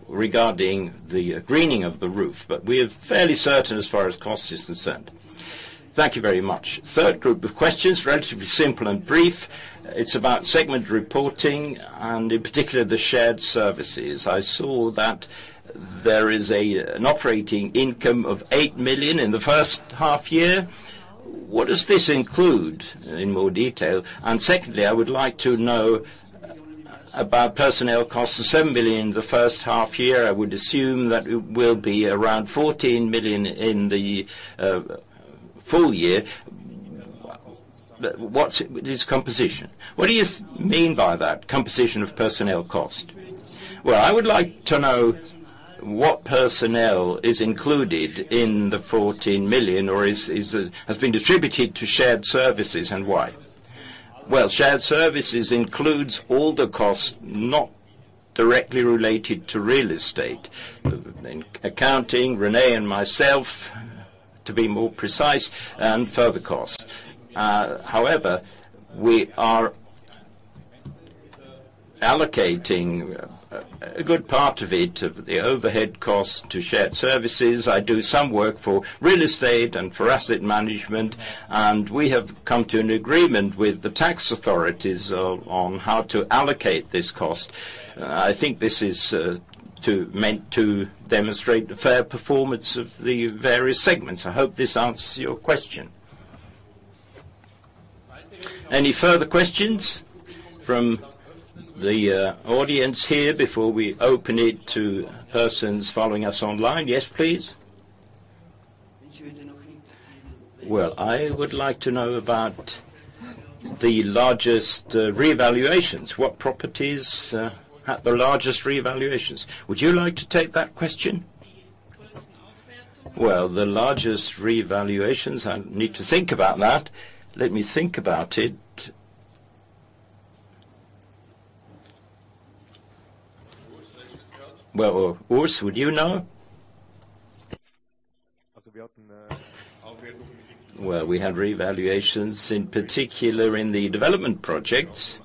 regarding the greening of the roof. But we're fairly certain as far as cost is concerned. Thank you very much. Third group of questions, relatively simple and brief. It's about segment reporting, and in particular, the shared services. I saw that there is an operating income of 8 million in the first half year. What does this include, in more detail? And secondly, I would like to know about personnel costs of 7 million in the first half year. I would assume that it will be around 14 million in the full year. What’s this composition? What do you mean by that, composition of personnel cost? Well, I would like to know what personnel is included in the 14 million, or has been distributed to shared services, and why? Well, shared services includes all the costs not directly related to real estate. In accounting, René and myself, to be more precise, and further costs. However, we are allocating a good part of it, of the overhead costs to shared services. I do some work for real estate and for asset management, and we have come to an agreement with the tax authorities on, on how to allocate this cost. I think this is, to, meant to demonstrate a fair performance of the various segments. I hope this answers your question. Any further questions from the, audience here before we open it to persons following us online? Yes, please. Well, I would like to know about the largest, revaluations. What properties had the largest revaluations? Would you like to take that question? Well, the largest revaluations, I need to think about that. Let me think about it. Well, Urs, would you know? Well, we had revaluations, in particular in the development projects.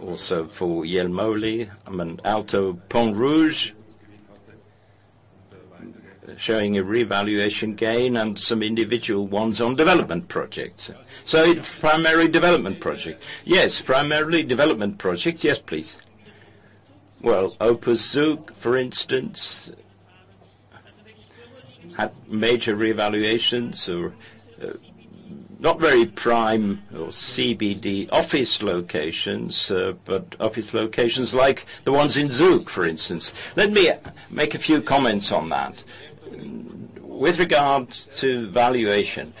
Also for Jelmoli and Alto Pont-Rouge, showing a revaluation gain and some individual ones on development projects. So primarily development project? Yes, primarily development project. Yes, please. Well, Opus Zug, for instance, had major revaluations or not very prime or CBD office locations, but office locations like the ones in Zoo, for instance. Let me make a few comments on that. With regards to valuation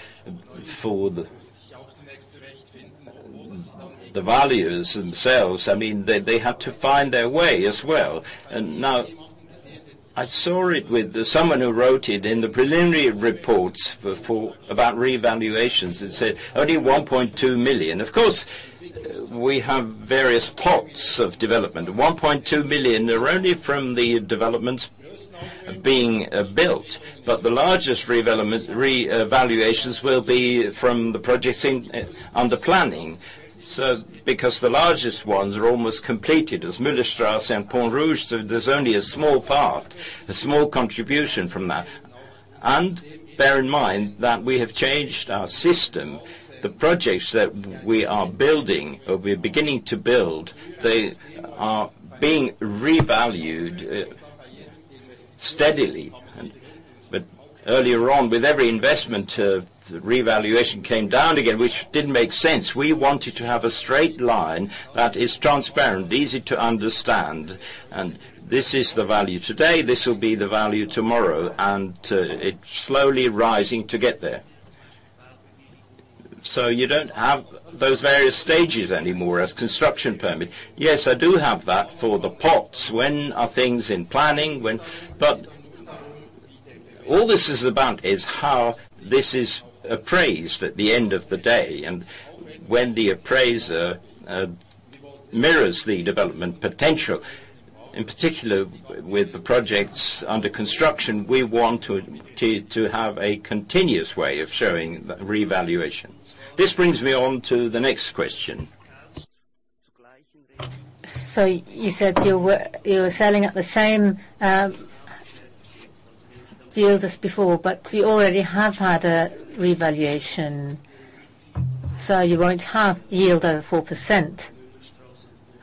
for the valuers themselves, I mean, they have to find their way as well. And now, I saw it with someone who wrote it in the preliminary reports for about revaluations. It said, only 1.2 million. Of course, we have various pots of development. 1.2 million are only from the developments being built, but the largest re-evaluations will be from the projects under planning. So because the largest ones are almost completed, as Müllerstrasse and Pont-Rouge, so there's only a small part, a small contribution from that. And bear in mind that we have changed our system. The projects that we are building, or we're beginning to build, they are being revalued steadily. But earlier on, with every investment, the revaluation came down again, which didn't make sense. We wanted to have a straight line that is transparent, easy to understand, and this is the value today, this will be the value tomorrow, and it's slowly rising to get there. So you don't have those various stages anymore as construction permit? Yes, I do have that for the plots. When are things in planning? When, but all this is about is how this is appraised at the end of the day, and when the appraiser mirrors the development potential, in particular, with the projects under construction, we want to, to, to have a continuous way of showing the revaluation. This brings me on to the next question. So you said you were, you were selling at the same deal as before, but you already have had a revaluation, so you won't have yield over 4%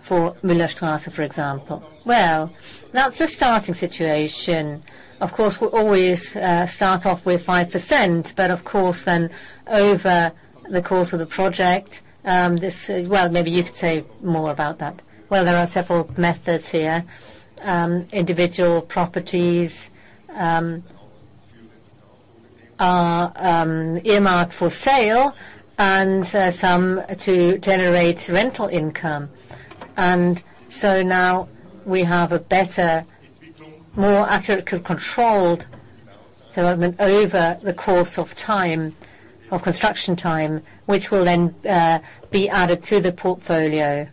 for Müllerstrasse, for example. Well, that's a starting situation. Of course, we always start off with 5%, but of course, then over the course of the project, this, well, maybe you could say more about that. Well, there are several methods here. Individual properties are earmarked for sale and some to generate rental income. And so now we have a better, more accurately controlled development over the course of time, of construction time, which will then be added to the portfolio.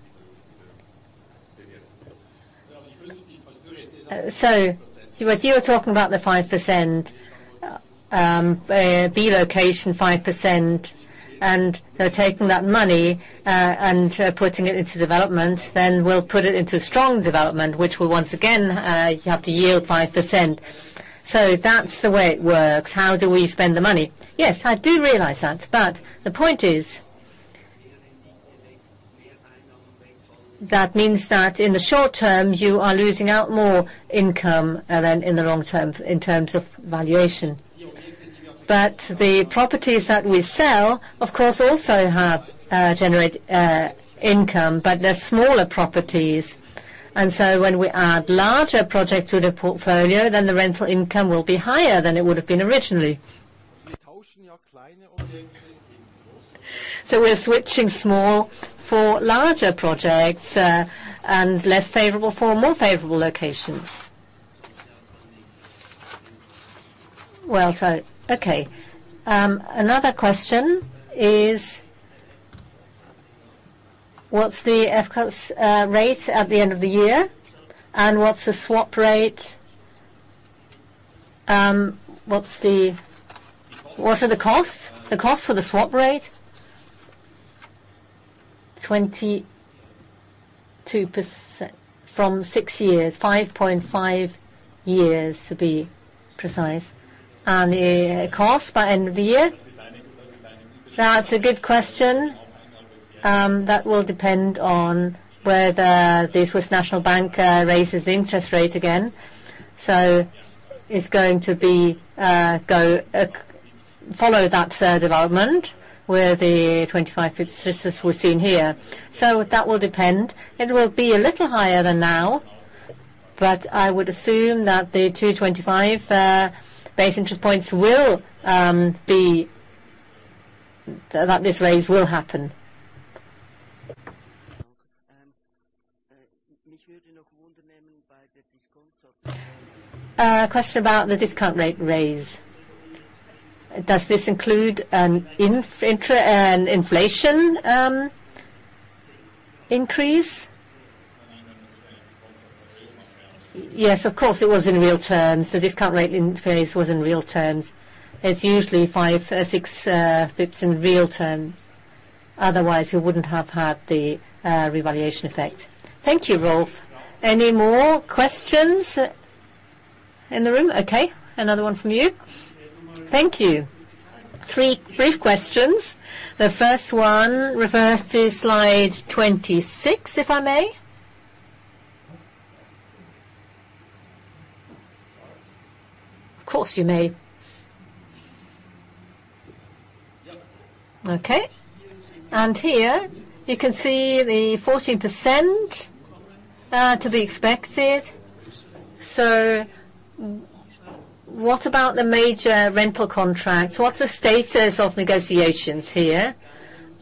So what you're talking about the 5%, B location 5%, and they're taking that money and putting it into development, then we'll put it into strong development, which will once again have to yield 5%. So that's the way it works. How do we spend the money? Yes, I do realize that, but the point is, that means that in the short term, you are losing out more income than in the long term in terms of valuation. But the properties that we sell, of course, also have generate income, but they're smaller properties. And so when we add larger projects to the portfolio, then the rental income will be higher than it would have been originally. So we're switching small for larger projects and less favorable for more favorable locations. Well, so, okay, another question is, what's the FFO's rate at the end of the year? And what's the swap rate? What's the— What are the costs? The costs for the swap rate. 22% from 6 years, 5.5 years, to be precise. And the cost by end of the year? That's a good question. That will depend on whether the Swiss National Bank raises the interest rate again. So it's going to be, go, follow that SNB development where the 2025 fits, as we've seen here. So that will depend. It will be a little higher than now, but I would assume that the 2.25 basis points will be, that this raise will happen. A question about the discount rate raise. Does this include an inflation increase? Yes, of course, it was in real terms. The discount rate increase was in real terms. It's usually 5, 6 bps in real term. Otherwise, you wouldn't have had the revaluation effect. Thank you, Rolf. Any more questions in the room? Okay, another one from you. Thank you. Three brief questions. The first one refers to slide 26, if I may. Of course, you may. Okay. And here you can see the 14%, to be expected. So what about the major rental contracts? What's the status of negotiations here?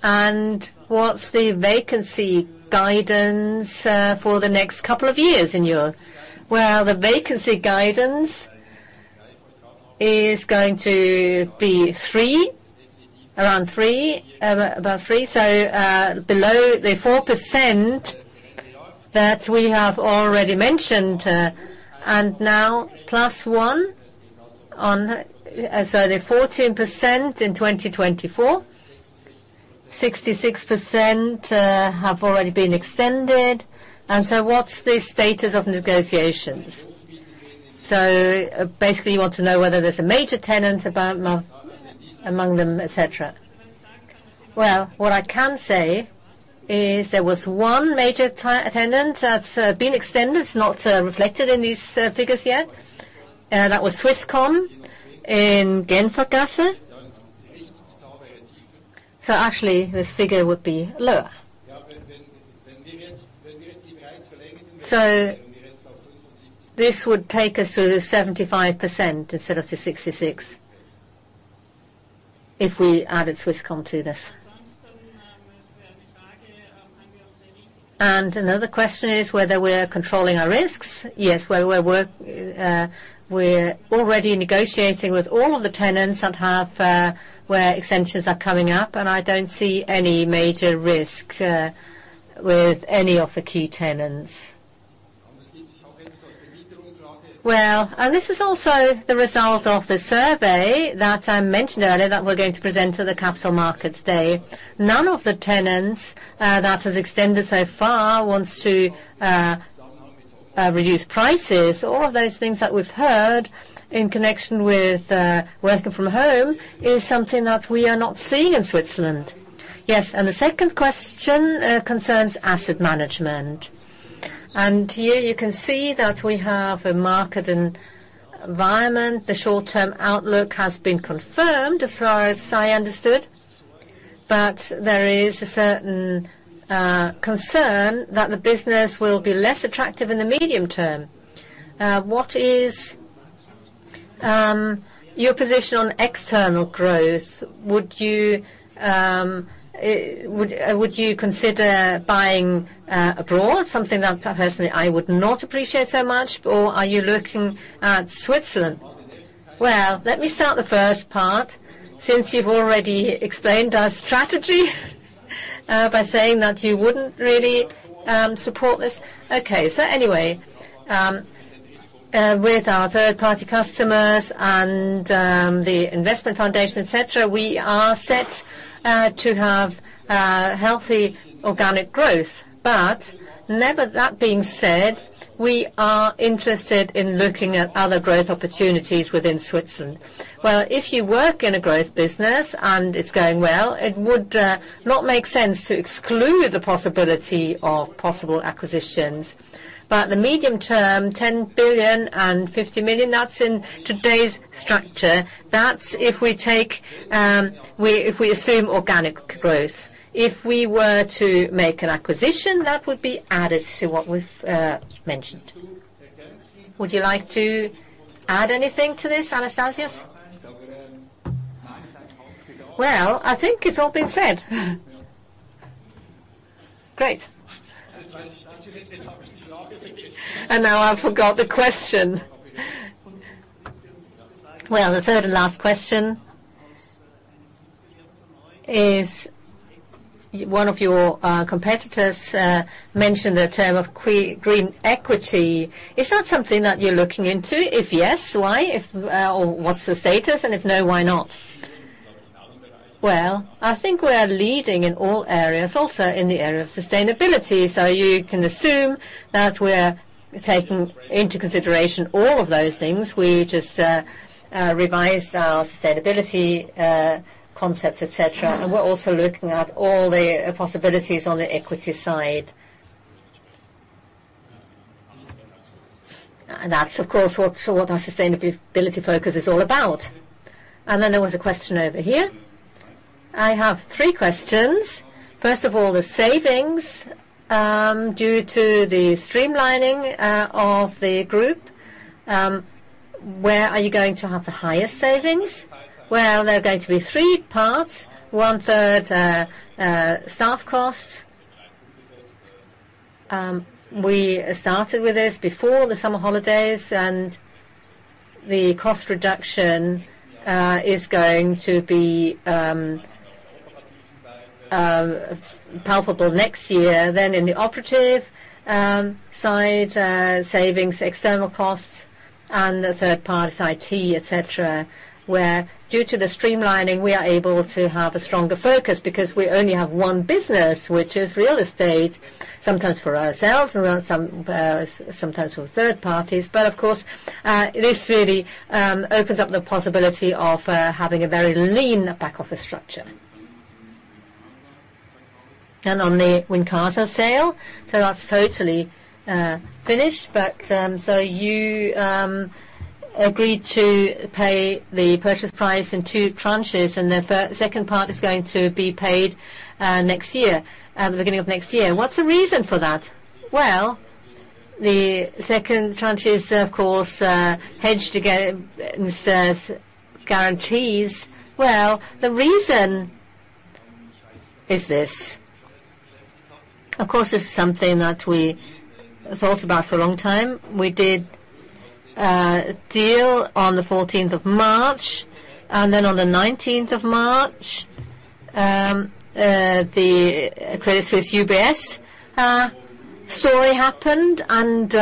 And what's the vacancy guidance, for the next couple of years in Europe? Well, the vacancy guidance is going to be 3%, around 3%, about 3%, so, below the 4% that we have already mentioned, and now plus one on, sorry, 14% in 2024, 66%, have already been extended. And so what's the status of negotiations? So basically, you want to know whether there's a major tenant about among them, et cetera. Well, what I can say is there was one major tenant that's been extended. It's not reflected in these figures yet. That was Swisscom in Genferstrasse. So actually, this figure would be lower. So this would take us to the 75% instead of the 66%, if we added Swisscom to this. And another question is whether we're controlling our risks. Yes, we're already negotiating with all of the tenants that have where extensions are coming up, and I don't see any major risk with any of the key tenants. Well, and this is also the result of the survey that I mentioned earlier, that we're going to present to the Capital Markets Day. None of the tenants that has extended so far wants to reduce prices. All of those things that we've heard in connection with working from home is something that we are not seeing in Switzerland. Yes, and the second question concerns asset management. And here you can see that we have a market environment. The short-term outlook has been confirmed, as far as I understood, but there is a certain concern that the business will be less attractive in the medium term. What is your position on external growth, would you consider buying abroad? Something that personally I would not appreciate so much, or are you looking at Switzerland? Well, let me start the first part, since you've already explained our strategy by saying that you wouldn't really support this. Okay, so anyway, with our third-party customers and the investment foundation, et cetera, we are set to have healthy organic growth. That being said, we are interested in looking at other growth opportunities within Switzerland. Well, if you work in a growth business and it's going well, it would not make sense to exclude the possibility of possible acquisitions. But the medium term, 10.05 billion, that's in today's structure. That's if we take—if we assume organic growth. If we were to make an acquisition, that would be added to what we've mentioned. Would you like to add anything to this, Anastasius? Well, I think it's all been said. Great. And now I forgot the question. Well, the third and last question. Is one of your competitors mentioned the term of green equity. Is that something that you're looking into? If yes, why? If or what's the status, and if no, why not? Well, I think we are leading in all areas, also in the area of sustainability. So you can assume that we're taking into consideration all of those things. We just revised our sustainability concepts, et cetera, and we're also looking at all the possibilities on the equity side. And that's, of course, what our sustainability focus is all about. And then there was a question over here. I have three questions. First of all, the savings due to the streamlining of the group, where are you going to have the highest savings? Well, there are going to be three parts. One-third staff costs. We started with this before the summer holidays, and the cost reduction is going to be palpable next year. Then in the operative side, savings, external costs, and the third-party is IT, et cetera, where due to the streamlining, we are able to have a stronger focus because we only have one business, which is real estate, sometimes for ourselves and then some sometimes for third parties. But of course, this really opens up the possibility of having a very lean back-office structure. And on the Wincasa sale, so that's totally finished. But so you agreed to pay the purchase price in two tranches, and the second part is going to be paid next year, at the beginning of next year. What's the reason for that? Well, the second tranche is, of course, hedged together and sells guarantees. Well, the reason is this: Of course, this is something that we thought about for a long time. We did a deal on the 14th of March, and then on the 19th of March, the Credit Suisse UBS story happened, and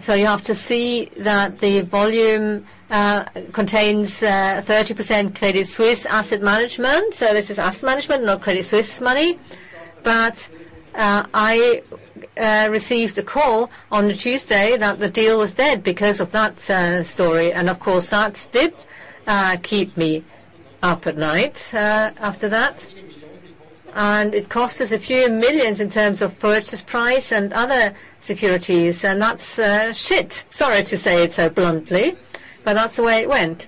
so you have to see that the volume contains 30% Credit Suisse Asset Management. So this is asset management, not Credit Suisse money. But, I received a call on Tuesday that the deal was dead because of that story. And of course, that did keep me up at night after that. And it cost us a few millions in terms of purchase price and other securities, and that's it. Sorry to say it so bluntly, but that's the way it went.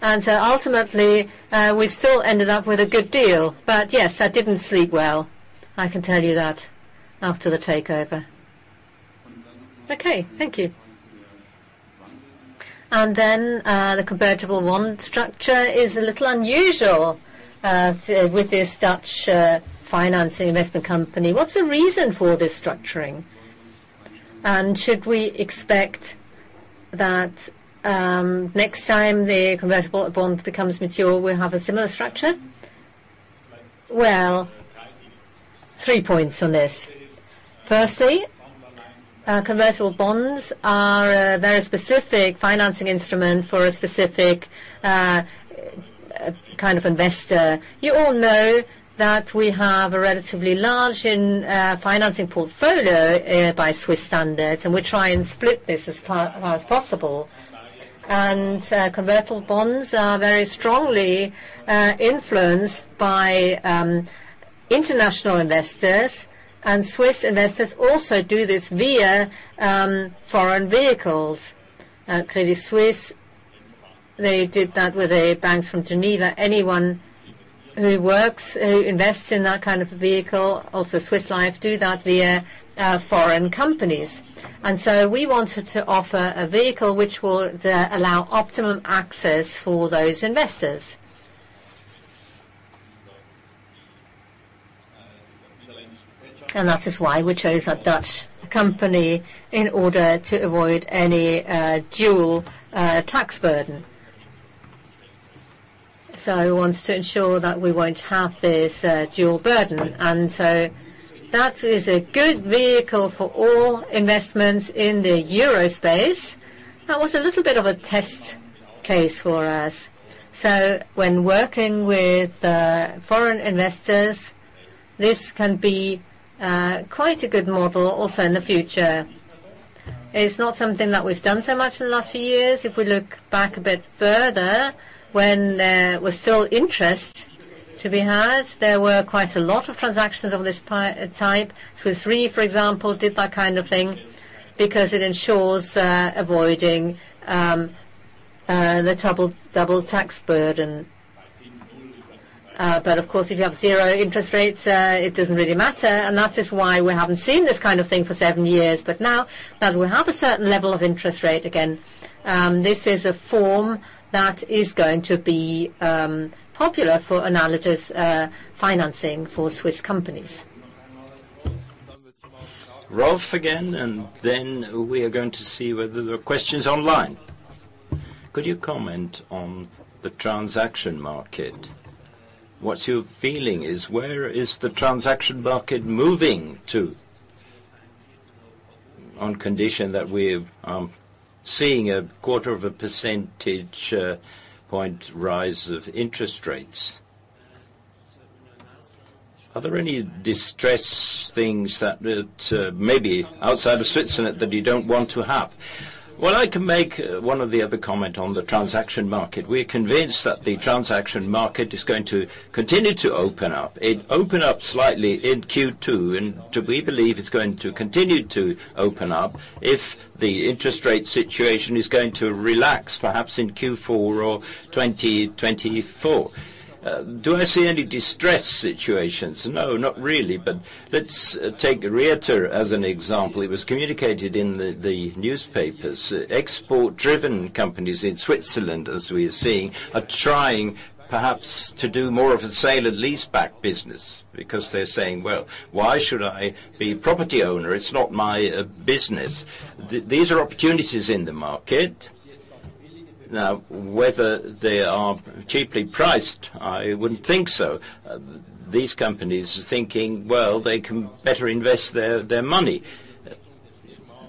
And so ultimately, we still ended up with a good deal. But yes, I didn't sleep well, I can tell you that after the takeover. Okay, thank you. And then, the convertible bond structure is a little unusual with this Dutch financing investment company. What's the reason for this structuring? And should we expect that next time the convertible bond becomes mature, we'll have a similar structure? Well, three points on this. Firstly, convertible bonds are a very specific financing instrument for a specific kind of investor. You all know that we have a relatively large financing portfolio by Swiss standards, and we try and split this as far, far as possible. Convertible bonds are very strongly influenced by international investors, and Swiss investors also do this via foreign vehicles. Credit Suisse, they did that with a bank from Geneva. Who works, who invests in that kind of vehicle, also Swiss Life, do that via foreign companies. So we wanted to offer a vehicle which will allow optimum access for those investors. And that is why we chose a Dutch company in order to avoid any dual tax burden. So we want to ensure that we won't have this dual burden, and so that is a good vehicle for all investments in the Euro space. That was a little bit of a test case for us. So when working with foreign investors, this can be quite a good model also in the future. It's not something that we've done so much in the last few years. If we look back a bit further, when there was still interest to be had, there were quite a lot of transactions of this type. Swiss Re, for example, did that kind of thing because it ensures avoiding the double tax burden. But of course, if you have zero interest rates, it doesn't really matter, and that is why we haven't seen this kind of thing for seven years. But now that we have a certain level of interest rate again, this is a form that is going to be popular for analogous financing for Swiss companies. Rolf again, and then we are going to see whether there are questions online. Could you comment on the transaction market? What's your feeling? Where is the transaction market moving to? On condition that we're seeing a quarter of a percentage point rise of interest rates. Are there any distressed things that maybe outside of Switzerland that you don't want to have? Well, I can make one of the other comment on the transaction market. We're convinced that the transaction market is going to continue to open up. It opened up slightly in Q2, and we believe it's going to continue to open up if the interest rate situation is going to relax, perhaps in Q4 or 2024. Do I see any distressed situations? No, not really, but let's take Rieter as an example. It was communicated in the newspapers. Export-driven companies in Switzerland, as we are seeing, are trying perhaps to do more of a sale and leaseback business because they're saying: Well, why should I be property owner? It's not my business. These are opportunities in the market. Now, whether they are cheaply priced, I wouldn't think so. These companies are thinking, well, they can better invest their money,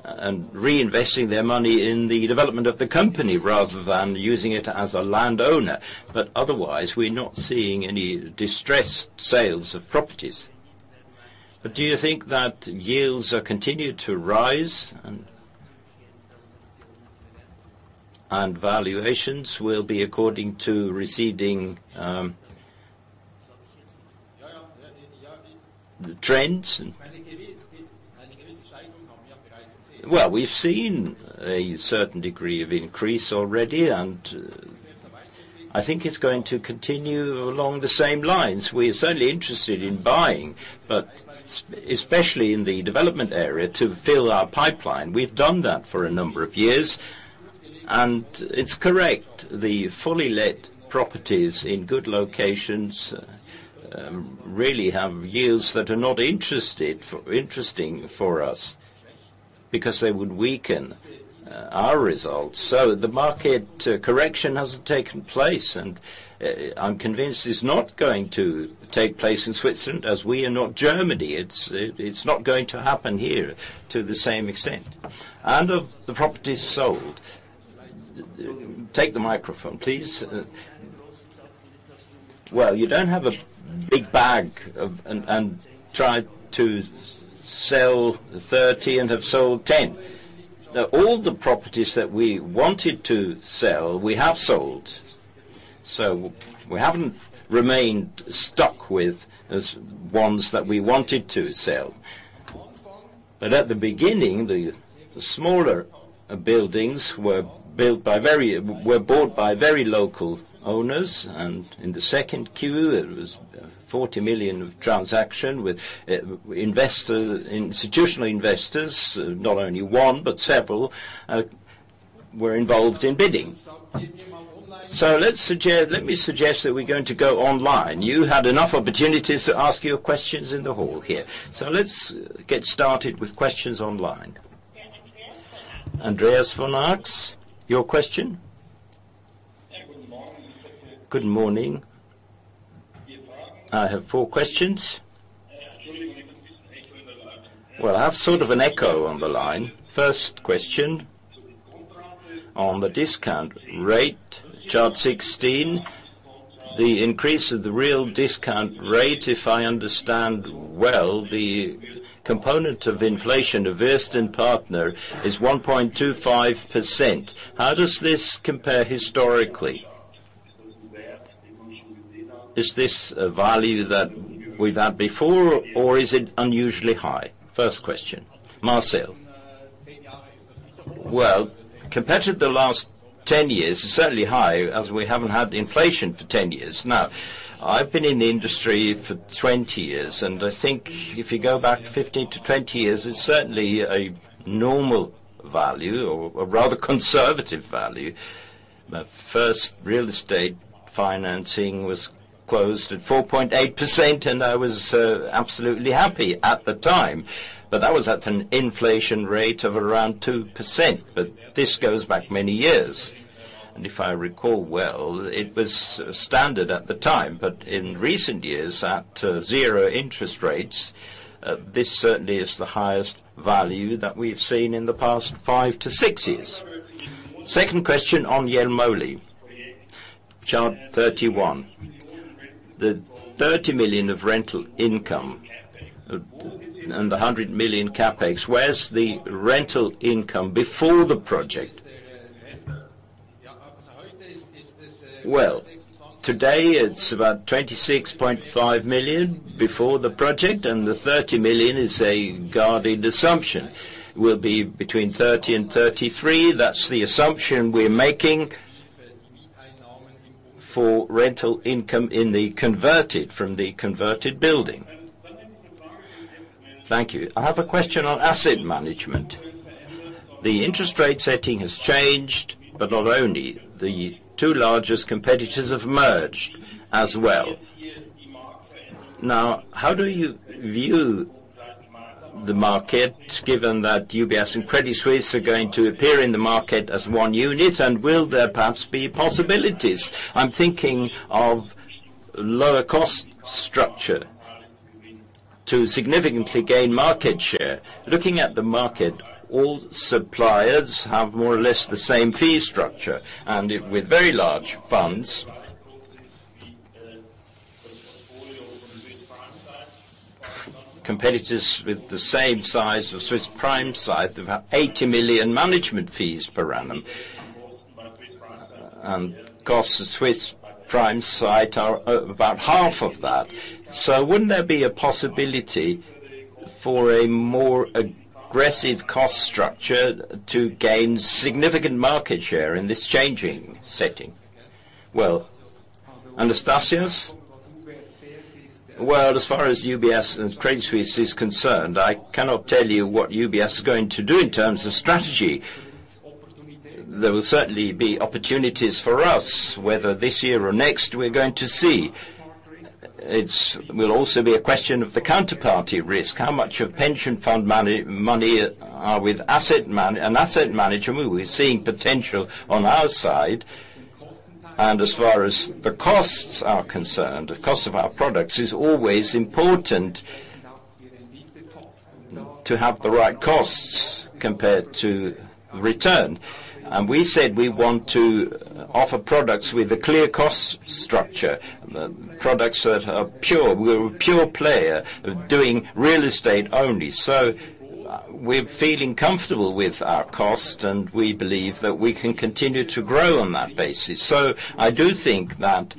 and reinvesting their money in the development of the company rather than using it as a landowner. But otherwise, we're not seeing any distressed sales of properties. But do you think that yields are continued to rise and, and valuations will be according to receding trends? Well, we've seen a certain degree of increase already, and I think it's going to continue along the same lines. We're certainly interested in buying, but especially in the development area, to fill our pipeline. We've done that for a number of years, and it's correct, the fully let properties in good locations really have yields that are not interesting for us because they would weaken our results. So the market correction hasn't taken place, and I'm convinced it's not going to take place in Switzerland, as we are not Germany. It's not going to happen here to the same extent. And of the properties sold - Take the microphone, please. Well, you don't have a big bag of, and try to sell 30 and have sold 10. Now, all the properties that we wanted to sell, we have sold, so we haven't remained stuck with as ones that we wanted to sell. But at the beginning, the smaller buildings were built by very—were bought by very local owners, and in the second Q, it was 40 million of transaction with investor institutional investors. Not only one, but several were involved in bidding. Let me suggest that we're going to go online. You had enough opportunities to ask your questions in the hall here. So let's get started with questions online. Andreas von Arx, your question? Good morning. Good morning. I have four questions. Well, I have sort of an echo on the line. First question, on the discount rate, chart 16, the increase of the real discount rate, if I understand well, the component of inflation, Wüest Partner, is 1.25%. How does this compare historically? Is this a value that we've had before, or is it unusually high? First question. Marcel? Well, compared to the last 10 years, it's certainly high, as we haven't had inflation for 10 years. Now, I've been in the industry for 20 years, and I think if you go back 15-20 years, it's certainly a normal value or a rather conservative value. My first real estate financing was closed at 4.8%, and I was absolutely happy at the time, but that was at an inflation rate of around 2%, but this goes back many years. And if I recall well, it was standard at the time, but in recent years, at 0% interest rates, this certainly is the highest value that we've seen in the past 5-6 years. Second question on Jelmoli, chart 31. The 30 million of rental income and the 100 million CapEx, where's the rental income before the project? Well, today, it's about 26.5 million before the project, and the 30 million is a guarded assumption. Will be between 30 million and 33 million. That's the assumption we're making for rental income in the converted building. Thank you. I have a question on asset management. The interest rate setting has changed, but not only, the two largest competitors have merged as well. Now, how do you view the market, given that UBS and Credit Suisse are going to appear in the market as one unit, and will there perhaps be possibilities? I'm thinking of lower cost structure to significantly gain market share. Looking at the market, all suppliers have more or less the same fee structure, and with very large funds, competitors with the same size of Swiss Prime Site, they've had 80 million management fees per annum. Costs of Swiss Prime Site are about half of that. So wouldn't there be a possibility for a more aggressive cost structure to gain significant market share in this changing setting? Well, Anastasius? Well, as far as UBS and Credit Suisse is concerned, I cannot tell you what UBS is going to do in terms of strategy. There will certainly be opportunities for us, whether this year or next, we're going to see. It will also be a question of the counterparty risk, how much of pension fund money are with an asset manager, we're seeing potential on our side. And as far as the costs are concerned, the cost of our products is always important to have the right costs compared to return. And we said, we want to offer products with a clear cost structure, products that are pure. We're a pure player doing real estate only. So we're feeling comfortable with our cost, and we believe that we can continue to grow on that basis. So I do think that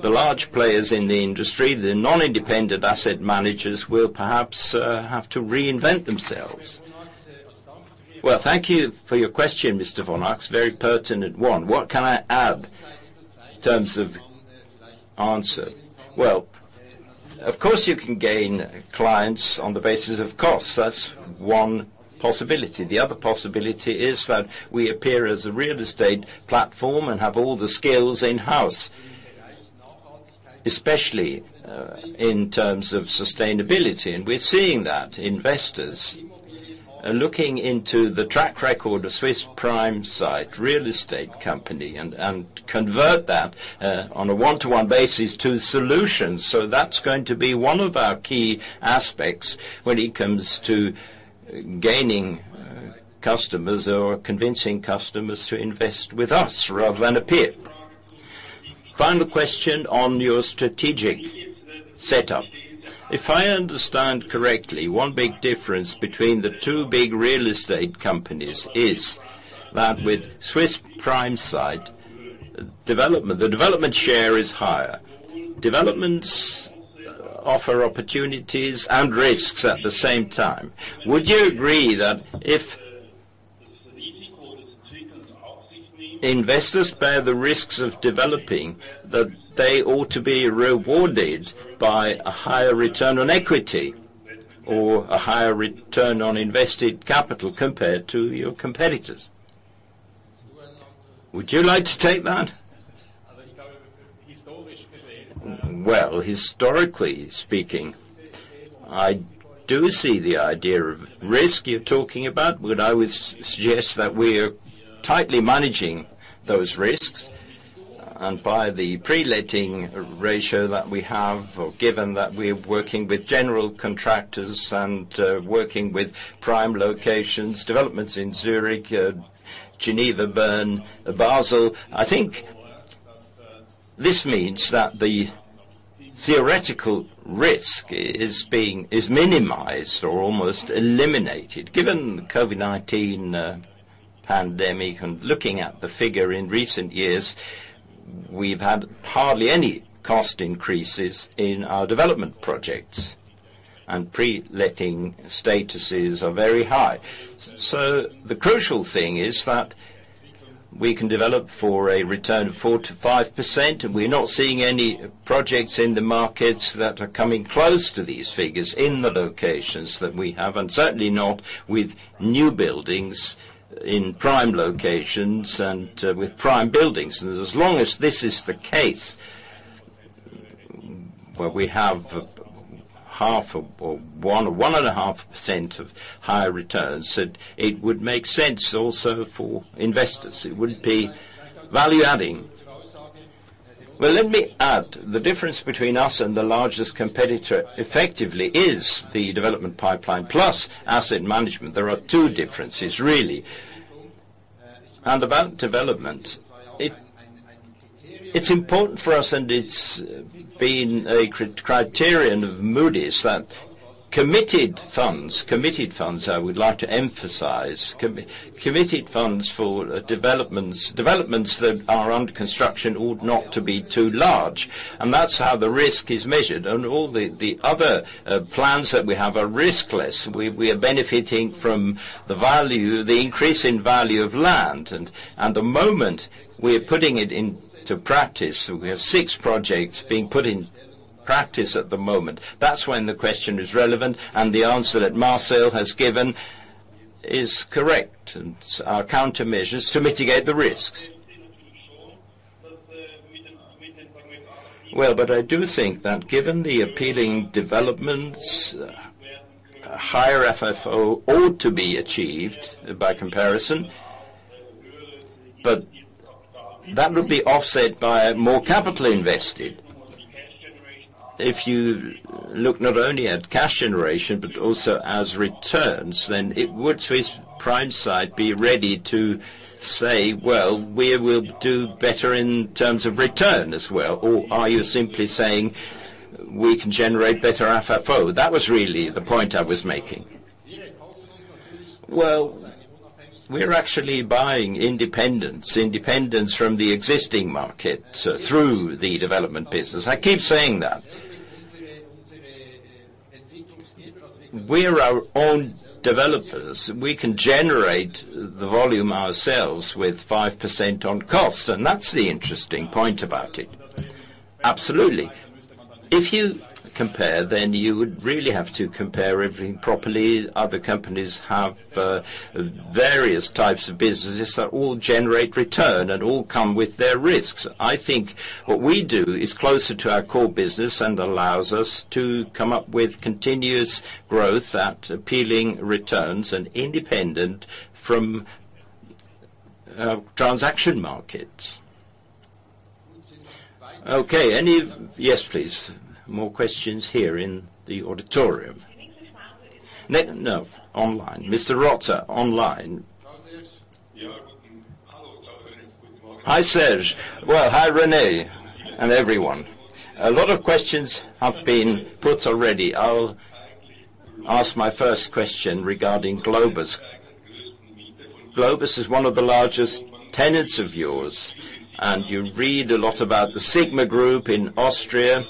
the large players in the industry, the non-independent asset managers, will perhaps have to reinvent themselves. Well, thank you for your question, Mr. von Arx. Very pertinent one. What can I add in terms of answer? Well, of course, you can gain clients on the basis of cost. That's one possibility. The other possibility is that we appear as a real estate platform and have all the skills in-house, especially in terms of sustainability. And we're seeing that investors are looking into the track record of Swiss Prime Site Real Estate Company and convert that on a one-to-one basis to solutions. So that's going to be one of our key aspects when it comes to gaining customers or convincing customers to invest with us rather than appear. Final question on your strategic setup. If I understand correctly, one big difference between the two big real estate companies is that with Swiss Prime Site, development, the development share is higher. Developments offer opportunities and risks at the same time. Would you agree that if investors bear the risks of developing, that they ought to be rewarded by a higher return on equity or a higher return on invested capital compared to your competitors? Would you like to take that? Well, historically speaking, I do see the idea of risk you're talking about, but I would suggest that we are tightly managing those risks. By the pre-letting ratio that we have, or given that we're working with general contractors and working with prime locations, developments in Zurich, Geneva, Berne, Basel, I think this means that the theoretical risk is being minimized or almost eliminated. Given the COVID-19 pandemic and looking at the figure in recent years, we've had hardly any cost increases in our development projects, and pre-letting statuses are very high. So the crucial thing is that we can develop for a return of 4%-5%, and we're not seeing any projects in the markets that are coming close to these figures in the locations that we have, and certainly not with new buildings in prime locations and with prime buildings. As long as this is the case, where we have 0.5% or 1%-1.5% higher returns, that it would make sense also for investors, it would be value-adding. Well, let me add, the difference between us and the largest competitor, effectively, is the development pipeline, plus asset management. There are two differences, really. And about development, it's important for us, and it's been a criterion of Moody's, that committed funds, committed funds, I would like to emphasize, committed funds for developments, developments that are under construction ought not to be too large, and that's how the risk is measured. All the other plans that we have are riskless. We are benefiting from the value, the increase in value of land, and the moment we're putting it into practice, so we have six projects being put in practice at the moment. That's when the question is relevant, and the answer that Marcel has given is correct, and our countermeasures to mitigate the risks. Well, but I do think that given the appealing developments, a higher FFO ought to be achieved by comparison, but that would be offset by more capital invested. If you look not only at cash generation, but also as returns, then would Swiss Prime Site be ready to say, "Well, we will do better in terms of return as well," or are you simply saying, "We can generate better FFO?" That was really the point I was making. Well, we're actually buying independence from the existing market, so through the development business. I keep saying that. We are our own developers. We can generate the volume ourselves with 5% on cost, and that's the interesting point about it. Absolutely. If you compare, then you would really have to compare everything properly. Other companies have various types of businesses that all generate return and all come with their risks. I think what we do is closer to our core business and allows us to come up with continuous growth at appealing returns and independent from transaction markets. Okay, any, yes, please. More questions here in the auditorium. No, online. Mr. Rotzer, online. Hi, Serge. Well, hi, René, and everyone. A lot of questions have been put already. I'll ask my first question regarding Globus. Globus is one of the largest tenants of yours, and you read a lot about the Signa Group in Austria,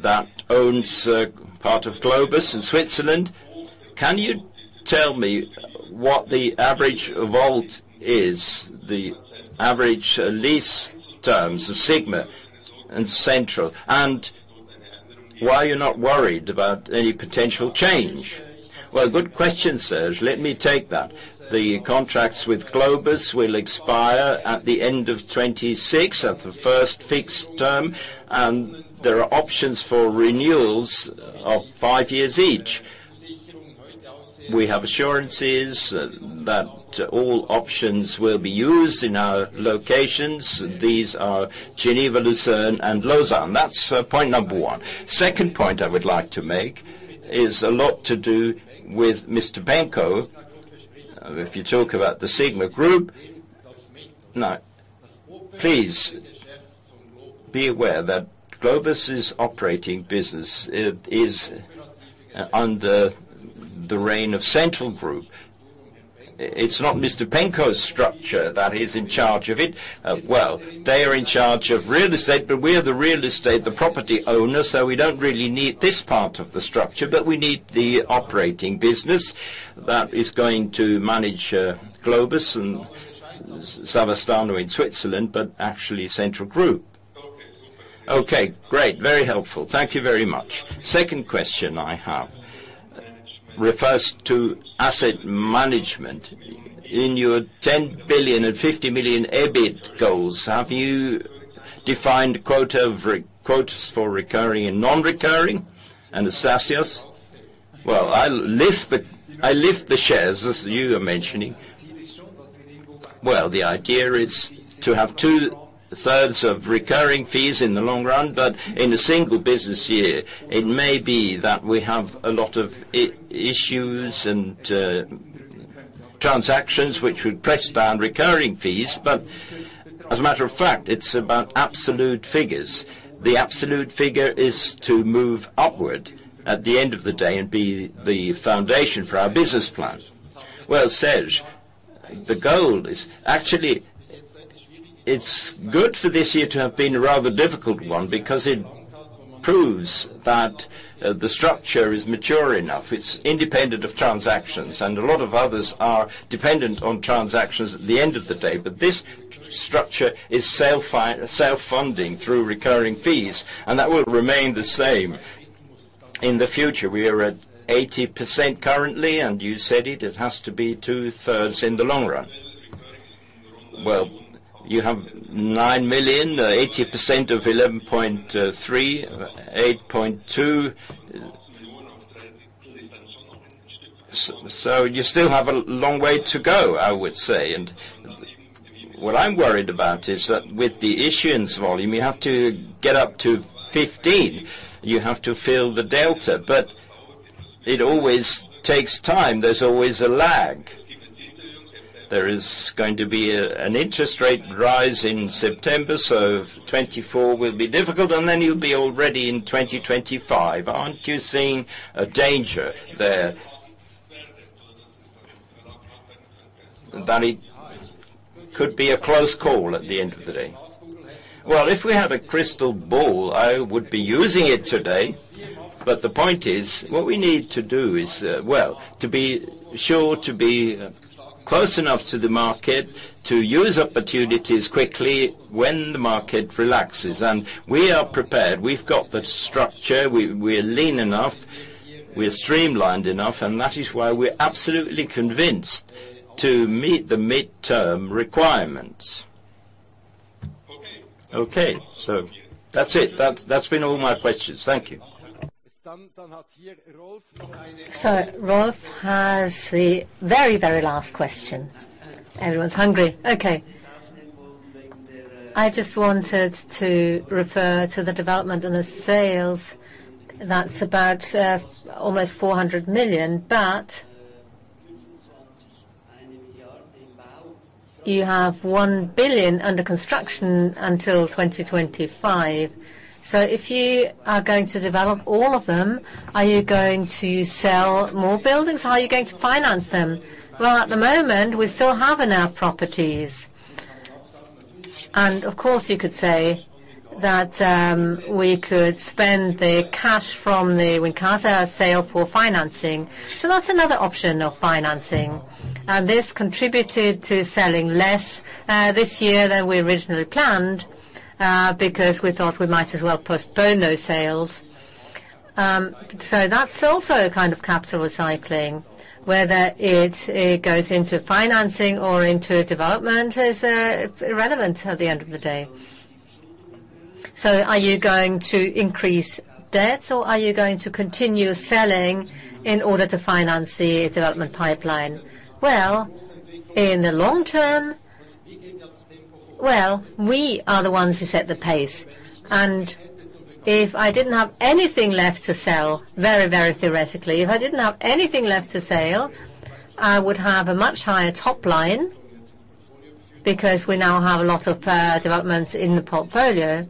that owns a part of Globus in Switzerland. Can you tell me what the average WAULT is, the average lease terms of Signa and Central, and why are you not worried about any potential change? Well, good question, Serge. Let me take that. The contracts with Globus will expire at the end of 2026, at the first fixed term, and there are options for renewals of five years each. We have assurances that all options will be used in our locations. These are Geneva, Lucerne and Lausanne. That's point number one. Second point I would like to make is a lot to do with Mr. Benko. If you talk about the Signa Group, now, please, be aware that Globus' operating business, it is under the reign of Central Group. It's not Mr. Benko's structure that is in charge of it. Well, they are in charge of real estate, but we are the real estate, the property owner, so we don't really need this part of the structure, but we need the operating business that is going to manage Globus and Savastano in Switzerland, but actually, Central Group. Okay, great. Very helpful. Thank you very much. Second question I have refers to asset management. In your 10.05 billion EBIT goals, have you defined quotas for recurring and non-recurring? Anastasius? Well, I'll lift the shares, as you are mentioning. Well, the idea is to have two-thirds of recurring fees in the long run, but in a single business year, it may be that we have a lot of issues and transactions which would press down recurring fees. But as a matter of fact, it's about absolute figures. The absolute figure is to move upward at the end of the day and be the foundation for our business plan. Well, Serge, the goal is actually. It's good for this year to have been a rather difficult one, because it proves that the structure is mature enough. It's independent of transactions, and a lot of others are dependent on transactions at the end of the day. But this structure is self-funding through recurring fees, and that will remain the same. In the future, we are at 80% currently, and you said it, it has to be two-thirds in the long run. Well, you have 9 million, 80% of 11.3 million, 8.2 million. So, you still have a long way to go, I would say. What I'm worried about is that with the issuance volume, you have to get up to 15 million. You have to fill the delta, but it always takes time. There's always a lag. There is going to be a, an interest rate rise in September, so 2024 will be difficult, and then you'll be already in 2025. Aren't you seeing a danger there? That it could be a close call at the end of the day. Well, if we had a crystal ball, I would be using it today. But the point is, what we need to do is, well, to be sure, to be close enough to the market, to use opportunities quickly when the market relaxes. We are prepared. We've got the structure, we, we're lean enough, we're streamlined enough, and that is why we're absolutely convinced to meet the midterm requirements. Okay. That's it. That's, that's been all my questions. Thank you. So Rolf has the very, very last question. Everyone's hungry. Okay. I just wanted to refer to the development in the sales. That's about almost 400 million, but you have 1 billion under construction until 2025. So if you are going to develop all of them, are you going to sell more buildings? How are you going to finance them? Well, at the moment, we still have enough properties. And of course, you could say that we could spend the cash from the Wincasa sale for financing. So that's another option of financing. And this contributed to selling less this year than we originally planned because we thought we might as well postpone those sales. So that's also a kind of capital recycling, whether it goes into financing or into development, is irrelevant at the end of the day. So are you going to increase debts, or are you going to continue selling in order to finance the development pipeline? Well, in the long term, well, we are the ones who set the pace. And if I didn't have anything left to sell, very, very theoretically, if I didn't have anything left to sell, I would have a much higher top line, because we now have a lot of developments in the portfolio.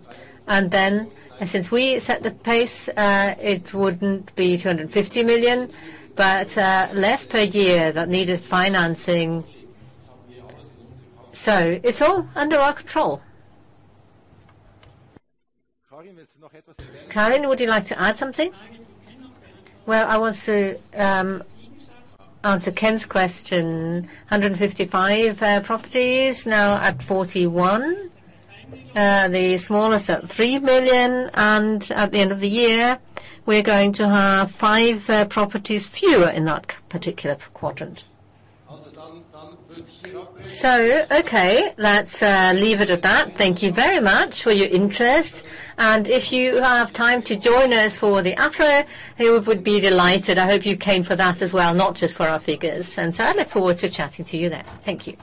And then, since we set the pace, it wouldn't be 250 million, but less per year that needed financing. So it's all under our control. Karin, would you like to add something? Well, I want to answer Ken's question. 155 properties, now at 41. The smallest at 3 million, and at the end of the year, we're going to have 5 properties fewer in that particular quadrant. So, okay, let's leave it at that. Thank you very much for your interest. And if you have time to join us for the after, we would be delighted. I hope you came for that as well, not just for our figures. And so I look forward to chatting to you then. Thank you.